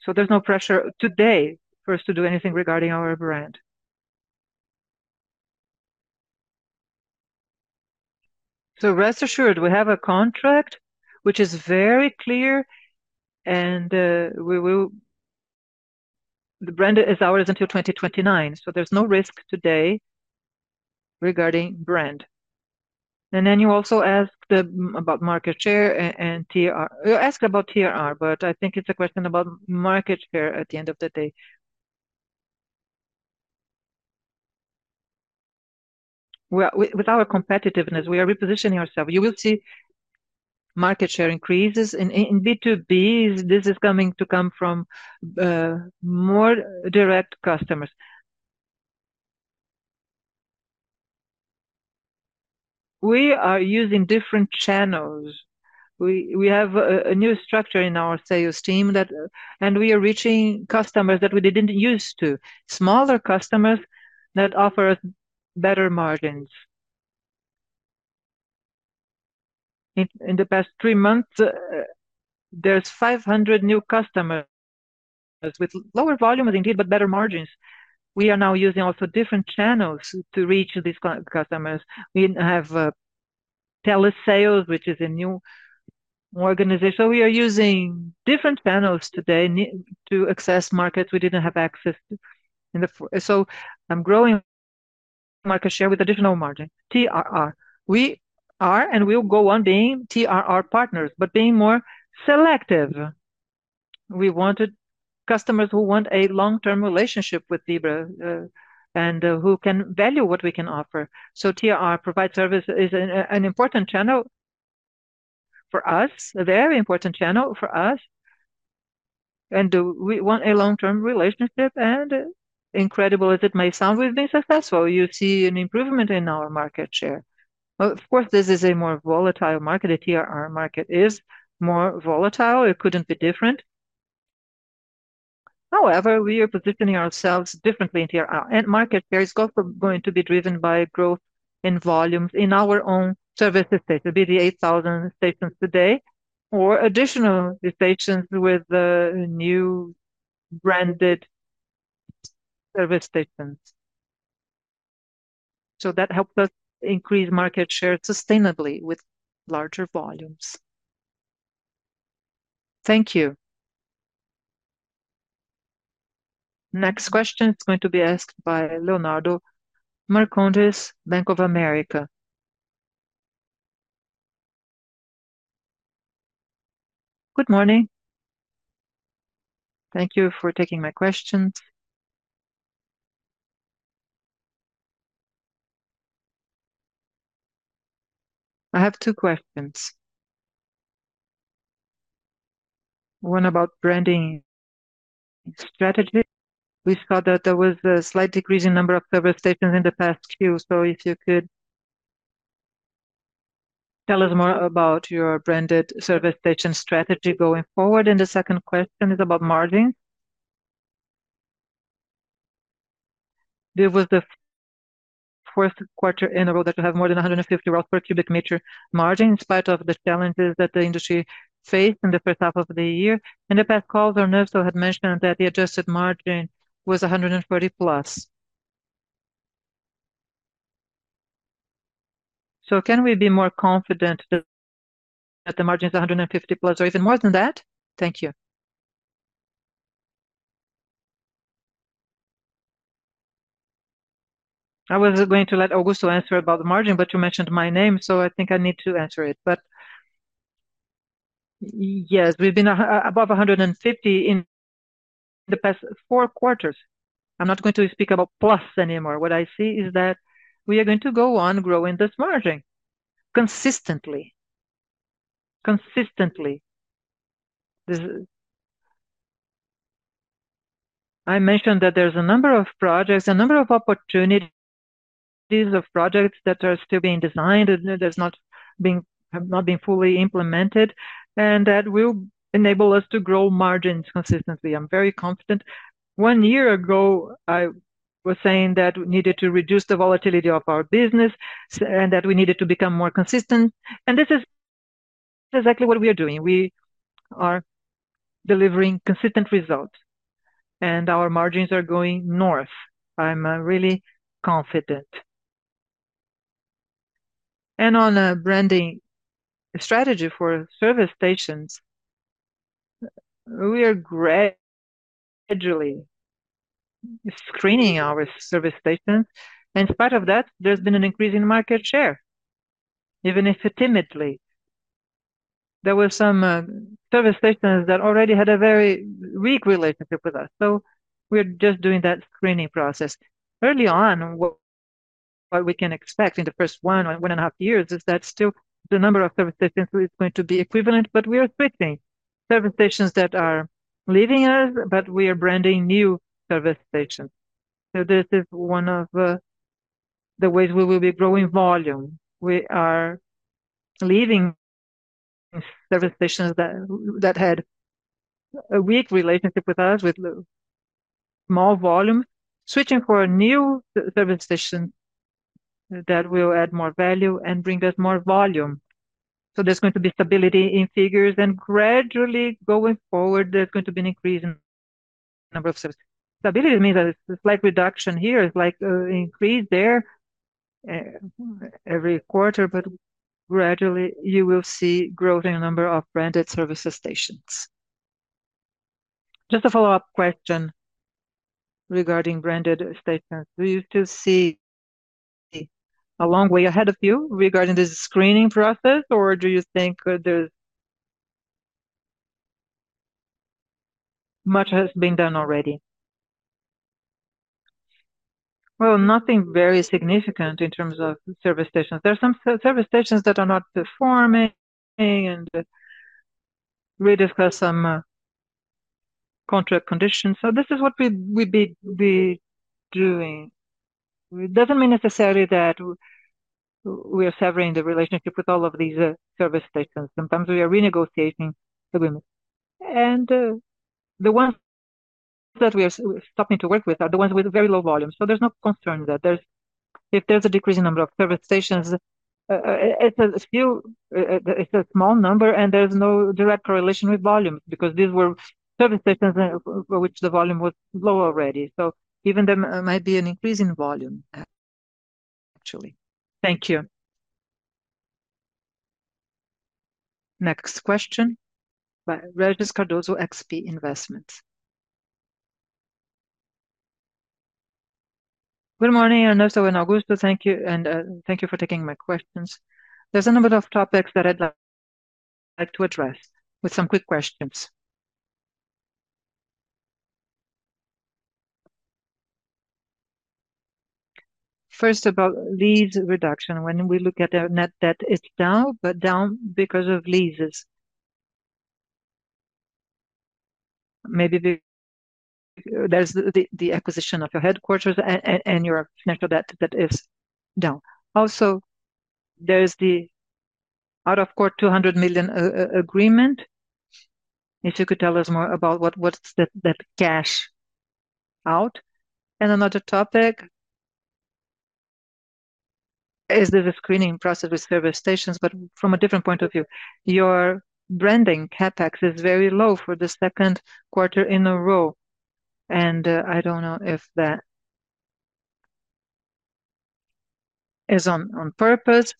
So there's no pressure today for us to do anything regarding our brand. So rest assured, we have a contract which is very clear, and the brand is ours until 2029, so there's no risk today regarding brand. And then you also asked about market share and TRR—you asked about TRR, but I think it's a question about market share at the end of the day. Well, with our competitiveness, we are repositioning ourselves. You will see market share increases. In B2B, this is coming from more direct customers. We are using different channels. We have a new structure in our sales team and we are reaching customers that we didn't use to, smaller customers that offer us better margins. In the past three months, there's 500 new customers with lower volumes indeed, but better margins. We are now using also different channels to reach these customers. We have telesales, which is a new organization. So we are using different panels today to access markets we didn't have access to in the past. So I'm growing market share with additional margin. TRR. We are, and we will go on being TRR partners, but being more selective. We wanted customers who want a long-term relationship with Vibra, and who can value what we can offer. So TRR provider service is an important channel for us, a very important channel for us, and we want a long-term relationship, and incredible as it may sound, we've been successful. You see an improvement in our market share. Of course, this is a more volatile market. The TRR market is more volatile. It couldn't be different. However, we are positioning ourselves differently in TRR, and market share is also going to be driven by growth in volumes in our own service stations, be the 8,000 stations today, or additional stations with the new branded service stations. So that helps us increase market share sustainably with larger volumes. Thank you. Next question is going to be asked by Leonardo Marcondes, Bank of America. Good morning. Thank you for taking my questions. I have two questions. One about branding strategy. We saw that there was a slight decrease in number of service stations in the past few, so if you could tell us more about your branded service station strategy going forward. The second question is about margin. This was the fourth quarter in a row that you have more than 150 BRL per cubic meter margin, in spite of the challenges that the industry faced in the first half of the year. In the past calls, Ernesto had mentioned that the adjusted margin was 140+. So can we be more confident that, that the margin is 150+, or even more than that? Thank you. I was going to let Augusto answer about the margin, but you mentioned my name, so I think I need to answer it. But yes, we've been above 150 in the past four quarters. I'm not going to speak about plus anymore. What I see is that we are going to go on growing this margin consistently. Consistently. This... I mentioned that there's a number of projects, a number of opportunities of projects that are still being designed, and that have not been fully implemented, and that will enable us to grow margins consistently. I'm very confident. One year ago, I was saying that we needed to reduce the volatility of our business, and that we needed to become more consistent, and this is exactly what we are doing. We are delivering consistent results, and our margins are going north. I'm really confident. And on branding strategy for service stations, we are gradually screening our service stations, and in spite of that, there's been an increase in market share, even if timidly. There were some service stations that already had a very weak relationship with us, so we're just doing that screening process. Early on, what we can expect in the first one or one and a half years is that still the number of service stations is going to be equivalent, but we are switching service stations that are leaving us, but we are branding new service stations. So this is one of the ways we will be growing volume. We are leaving service stations that had a weak relationship with us, with low more volume, switching for a new service station that will add more value and bring us more volume. So there's going to be stability in figures, and gradually going forward, there's going to be an increase in number of services. Stability means that it's a slight reduction here, it's like an increase there, every quarter, but gradually you will see growth in the number of branded service stations. Just a follow-up question regarding branded stations. Do you still see a long way ahead of you regarding this screening process, or do you think there's much has been done already? Well, nothing very significant in terms of service stations. There are some service stations that are not performing, and we discuss some contract conditions, so this is what we would be doing. It doesn't mean necessarily that we are severing the relationship with all of these service stations. Sometimes we are renegotiating the agreements. The ones that we are stopping to work with are the ones with very low volume, so there's no concern that there's—if there's a decrease in number of service stations, it's still a small number, and there's no direct correlation with volume, because these were service stations for which the volume was low already. So even there might be an increase in volume actually. Thank you. Next question, by Regis Cardoso, XP Investimentos. Good morning, Ernesto and Augusto. Thank you, and thank you for taking my questions. There's a number of topics that I'd like to address with some quick questions. First, about lease reduction. When we look at our net debt, it's down, but down because of leases. Maybe there's the acquisition of your headquarters and your net debt that is down. Also, there's the out-of-court 200 million agreement. If you could tell us more about what's the cash out? And another topic is the screening process with service stations, but from a different point of view. Your branding CapEx is very low for the second quarter in a row, and I don't know if that is on purpose.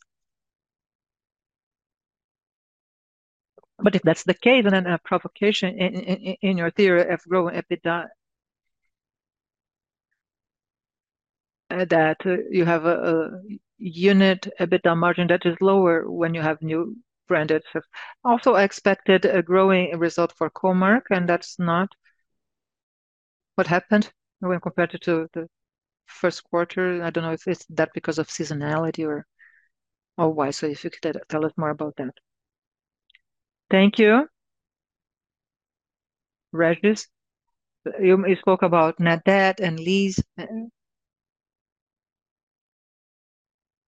But if that's the case, then a provocation in your theory of growing EBITDA, that you have a unit EBITDA margin that is lower when you have new branded service. Also, I expected a growing result for Comerc, and that's not what happened when compared to the first quarter. I don't know if it's that because of seasonality or why. So if you could tell us more about that. Thank you, Regis. You spoke about net debt and lease,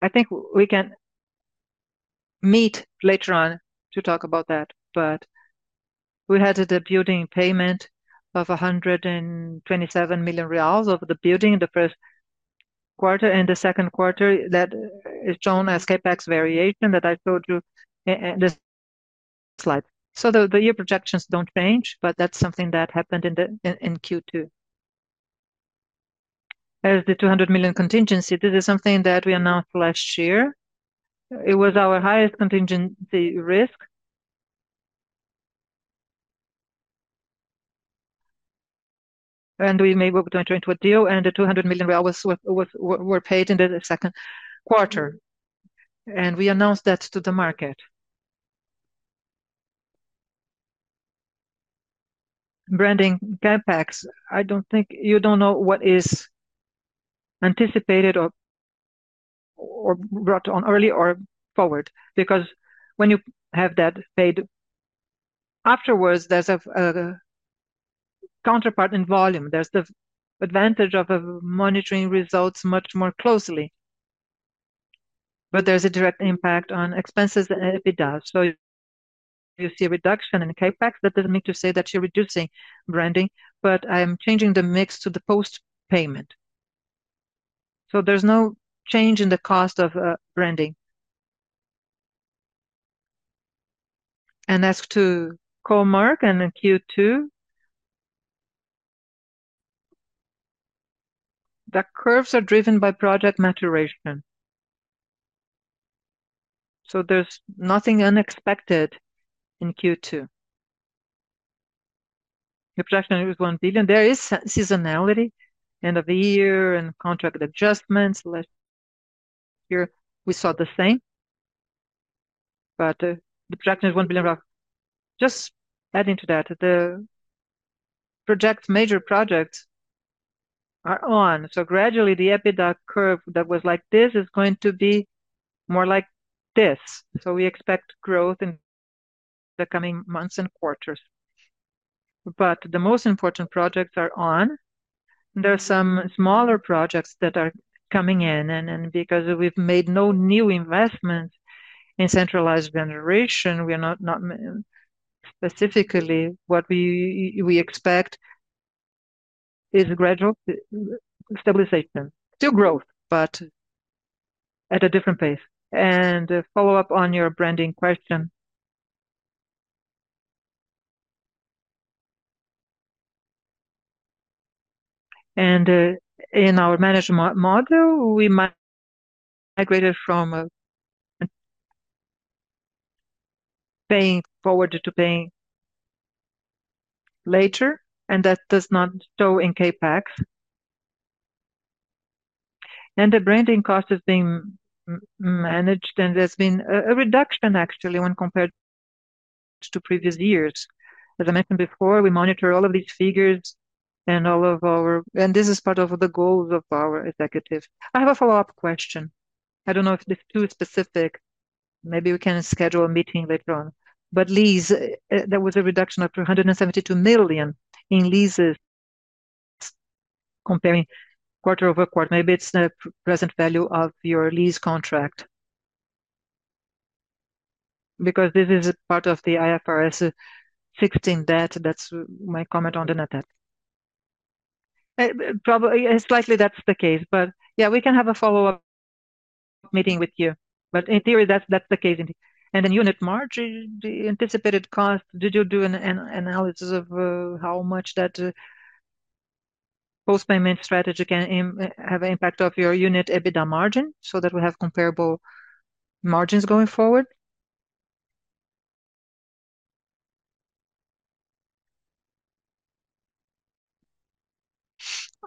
and I think we can meet later on to talk about that. But we had a building payment of 127 million reais of the building in the first quarter and the second quarter. That is shown as CapEx variation that I showed you in this slide. So the year projections don't change, but that's something that happened in Q2. As the 200 million contingency, this is something that we announced last year. It was our highest contingency risk. And we were able to enter into a deal, and the 200 million real were paid in the second quarter, and we announced that to the market. Branding CapEx, I don't think. You don't know what is anticipated or brought on early or forward, because when you have that paid afterwards, there's a counterpart in volume. There's the advantage of monitoring results much more closely, but there's a direct impact on expenses and EBITDA. So you see a reduction in CapEx, that doesn't mean to say that you're reducing branding, but I'm changing the mix to the post-payment. So there's no change in the cost of branding. And as to Comerc and in Q2, the curves are driven by project maturation, so there's nothing unexpected in Q2. The projection is 1 billion. There is seasonality, end of the year and contract adjustments. Last year we saw the same, but the projection is 1 billion. Just adding to that, the major projects are on, so gradually the EBITDA curve that was like this is going to be more like this. So we expect growth in the coming months and quarters. But the most important projects are on. There are some smaller projects that are coming in, and because we've made no new investments in centralized generation, we are not... Specifically, what we expect is a gradual stabilization. Still growth, but at a different pace. And to follow up on your branding question. And in our management model, we migrated from paying forward to paying later, and that does not show in CapEx. And the branding cost has been managed, and there's been a reduction actually when compared to previous years. As I mentioned before, we monitor all of these figures and all of ours. This is part of the goals of our executive. I have a follow-up question. I don't know if it's too specific, maybe we can schedule a meeting later on. But leases, there was a reduction of 172 million in leases comparing quarter-over-quarter. Maybe it's the present value of your lease contract. Because this is a part of the IFRS 16 debt, that's my comment on the net debt. Probably, yes, likely that's the case, but yeah, we can have a follow-up meeting with you. In theory, that's the case. And then unit margin, the anticipated cost, did you do an analysis of how much that post-payment strategy can have impact on your unit EBITDA margin, so that we have comparable margins going forward?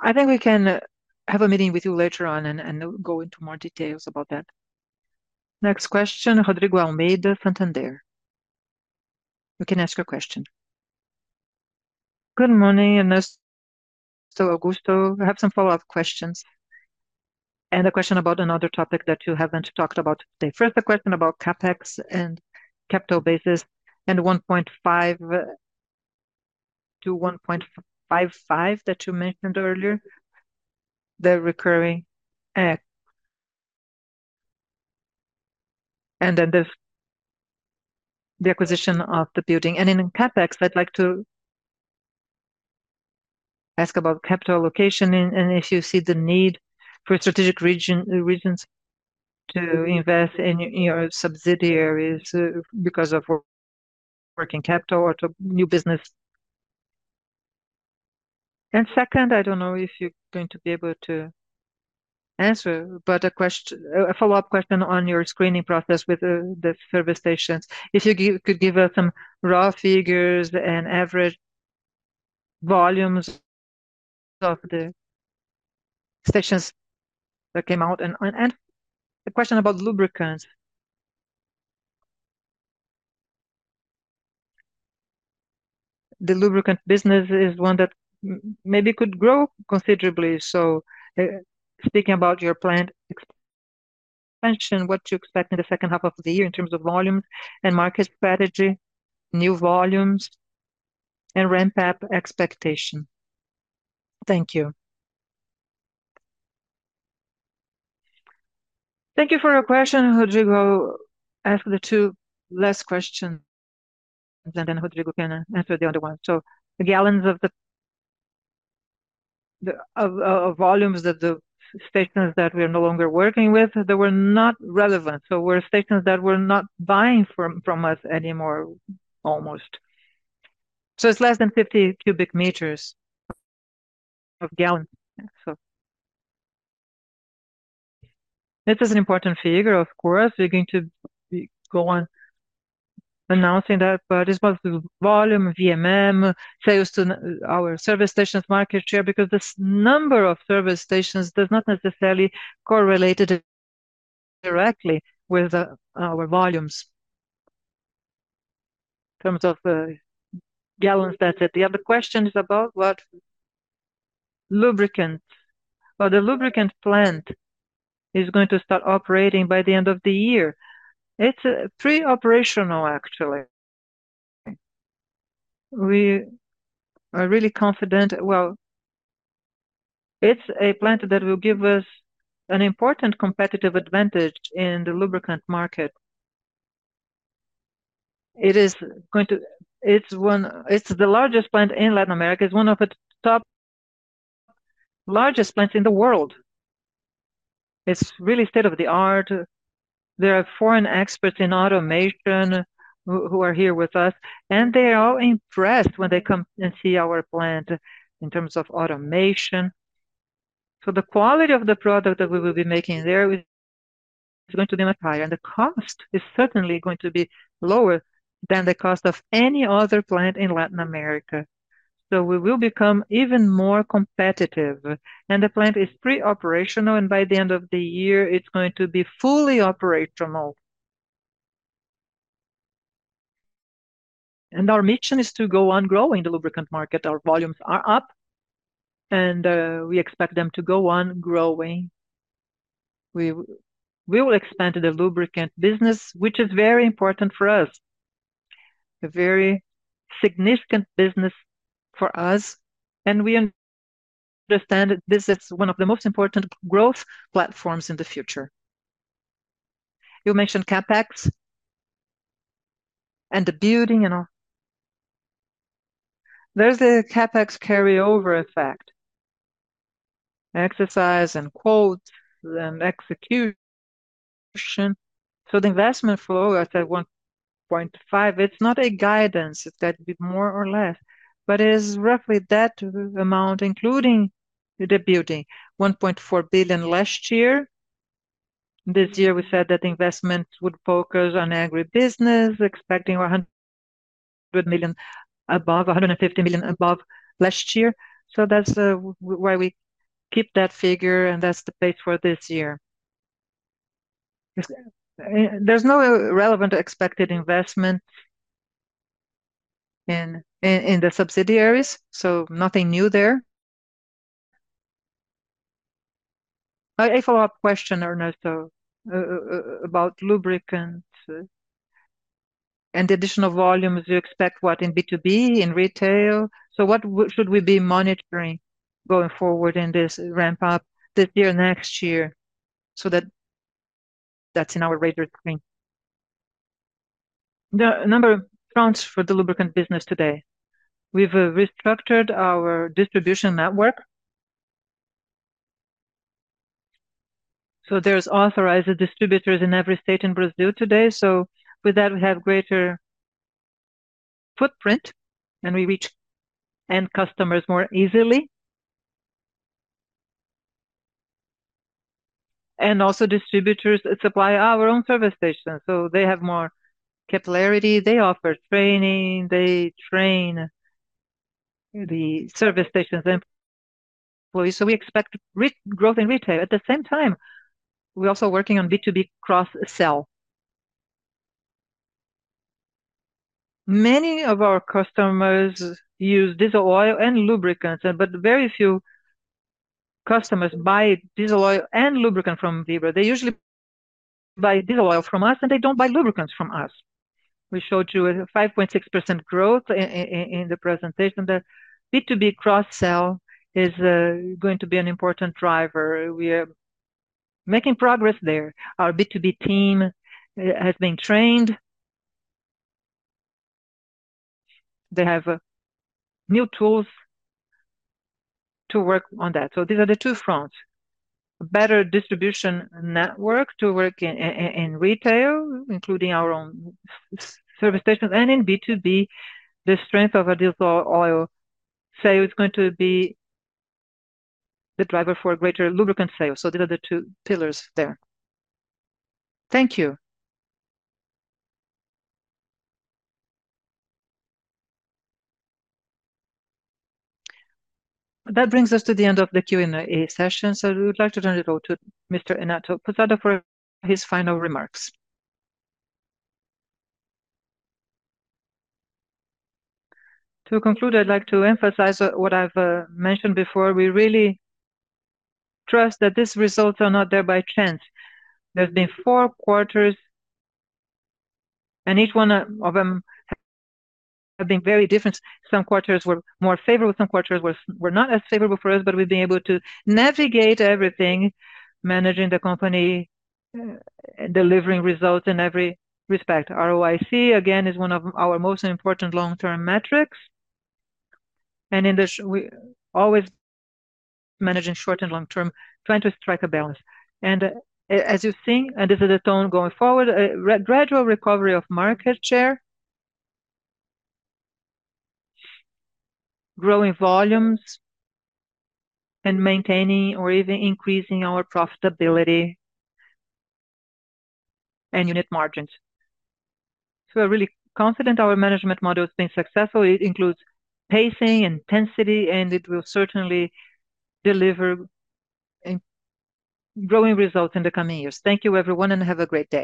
I think we can have a meeting with you later on and go into more details about that. Next question, Rodrigo Almeida, Santander. You can ask your question. Good morning, Ernesto, Augusto. I have some follow-up questions, and a question about another topic that you haven't talked about today. First, a question about CapEx and capital bases, and 1.5-1.55 that you mentioned earlier, the recurring CapEx. And then the acquisition of the building. In CapEx, I'd like to ask about capital allocation, and if you see the need for strategic region, regions to invest in your subsidiaries because of working capital or to new business. And second, I don't know if you're going to be able to answer, but a follow-up question on your screening process with the service stations. Could give us some raw figures and average volumes of the stations that came out. And the question about lubricants. The lubricant business is one that maybe could grow considerably. So, speaking about your plant expansion, what do you expect in the second half of the year in terms of volume and market strategy, new volumes, and ramp-up expectation? Thank you. Thank you for your question, Rodrigo. As for the two last questions, and then Rodrigo can answer the other one. So the gallons of volumes that the stations that we are no longer working with, they were not relevant. So were stations that were not buying from us anymore, almost. So it's less than 50 cubic meters of gallons, so. This is an important figure, of course. We're going to go on announcing that, but it's about the volume, VMM, sales to our service stations market share, because this number of service stations does not necessarily correlated directly with our volumes in terms of gallons, that's it. The other question is about what lubricants. Well, the lubricant plant is going to start operating by the end of the year. It's pre-operational, actually. We are really confident... Well, it's a plant that will give us an important competitive advantage in the lubricant market. It's the largest plant in Latin America. It's one of the top largest plants in the world. It's really state-of-the-art. There are foreign experts in automation who are here with us, and they are all impressed when they come and see our plant in terms of automation. So the quality of the product that we will be making there is going to be much higher, and the cost is certainly going to be lower than the cost of any other plant in Latin America. So we will become even more competitive, and the plant is pre-operational, and by the end of the year, it's going to be fully operational. Our mission is to go on growing the lubricant market. Our volumes are up, and we expect them to go on growing. We, we will expand the lubricant business, which is very important for us, a very significant business for us, and we understand that this is one of the most important growth platforms in the future. You mentioned CapEx?... and the building and all. There's a CapEx carryover effect, exercise and quote, then execution. So the investment flow at, at 1.5, it's not a guidance, it's got to be more or less, but it is roughly that amount, including the, the building, 1.4 billion last year. This year we said that investment would focus on agribusiness, expecting 100 million above, 150 million above last year. So that's why we keep that figure, and that's the pace for this year. There's no relevant expected investment in, in the subsidiaries, so nothing new there. A follow-up question, Ernesto, about lubricants and additional volumes, you expect what in B2B, in retail? So what should we be monitoring going forward in this ramp up this year, next year, so that that's in our radar screen? The number of fronts for the lubricant business today, we've restructured our distribution network. So there's authorized distributors in every state in Brazil today, so with that, we have greater footprint, and we reach end customers more easily. And also distributors supply our own service stations, so they have more capillarity. They offer training, they train the service stations employees, so we expect growth in retail. At the same time, we're also working on B2B cross-sell. Many of our customers use diesel oil and lubricants, but very few customers buy diesel oil and lubricant from Vibra. They usually buy diesel oil from us, and they don't buy lubricants from us. We showed you a 5.6% growth in the presentation. The B2B cross-sell is going to be an important driver. We are making progress there. Our B2B team has been trained. They have new tools to work on that. So these are the two fronts: better distribution network to work in retail, including our own service stations, and in B2B, the strength of our diesel oil sale is going to be the driver for greater lubricant sales. So these are the two pillars there. Thank you. That brings us to the end of the Q&A session, so we would like to turn it over to Mr. Ernesto Pousada for his final remarks. To conclude, I'd like to emphasize what I've mentioned before. We really trust that these results are not there by chance. There's been four quarters, and each one of them have been very different. Some quarters were more favorable, some quarters were not as favorable for us, but we've been able to navigate everything, managing the company, delivering results in every respect. ROIC, again, is one of our most important long-term metrics, and in this, we always managing short and long term, trying to strike a balance. As you've seen, and this is the tone going forward, a gradual recovery of market share, growing volumes, and maintaining or even increasing our profitability and unit margins. So we're really confident our management model has been successful. It includes pacing, intensity, and it will certainly deliver in growing results in the coming years. Thank you, everyone, and have a great day.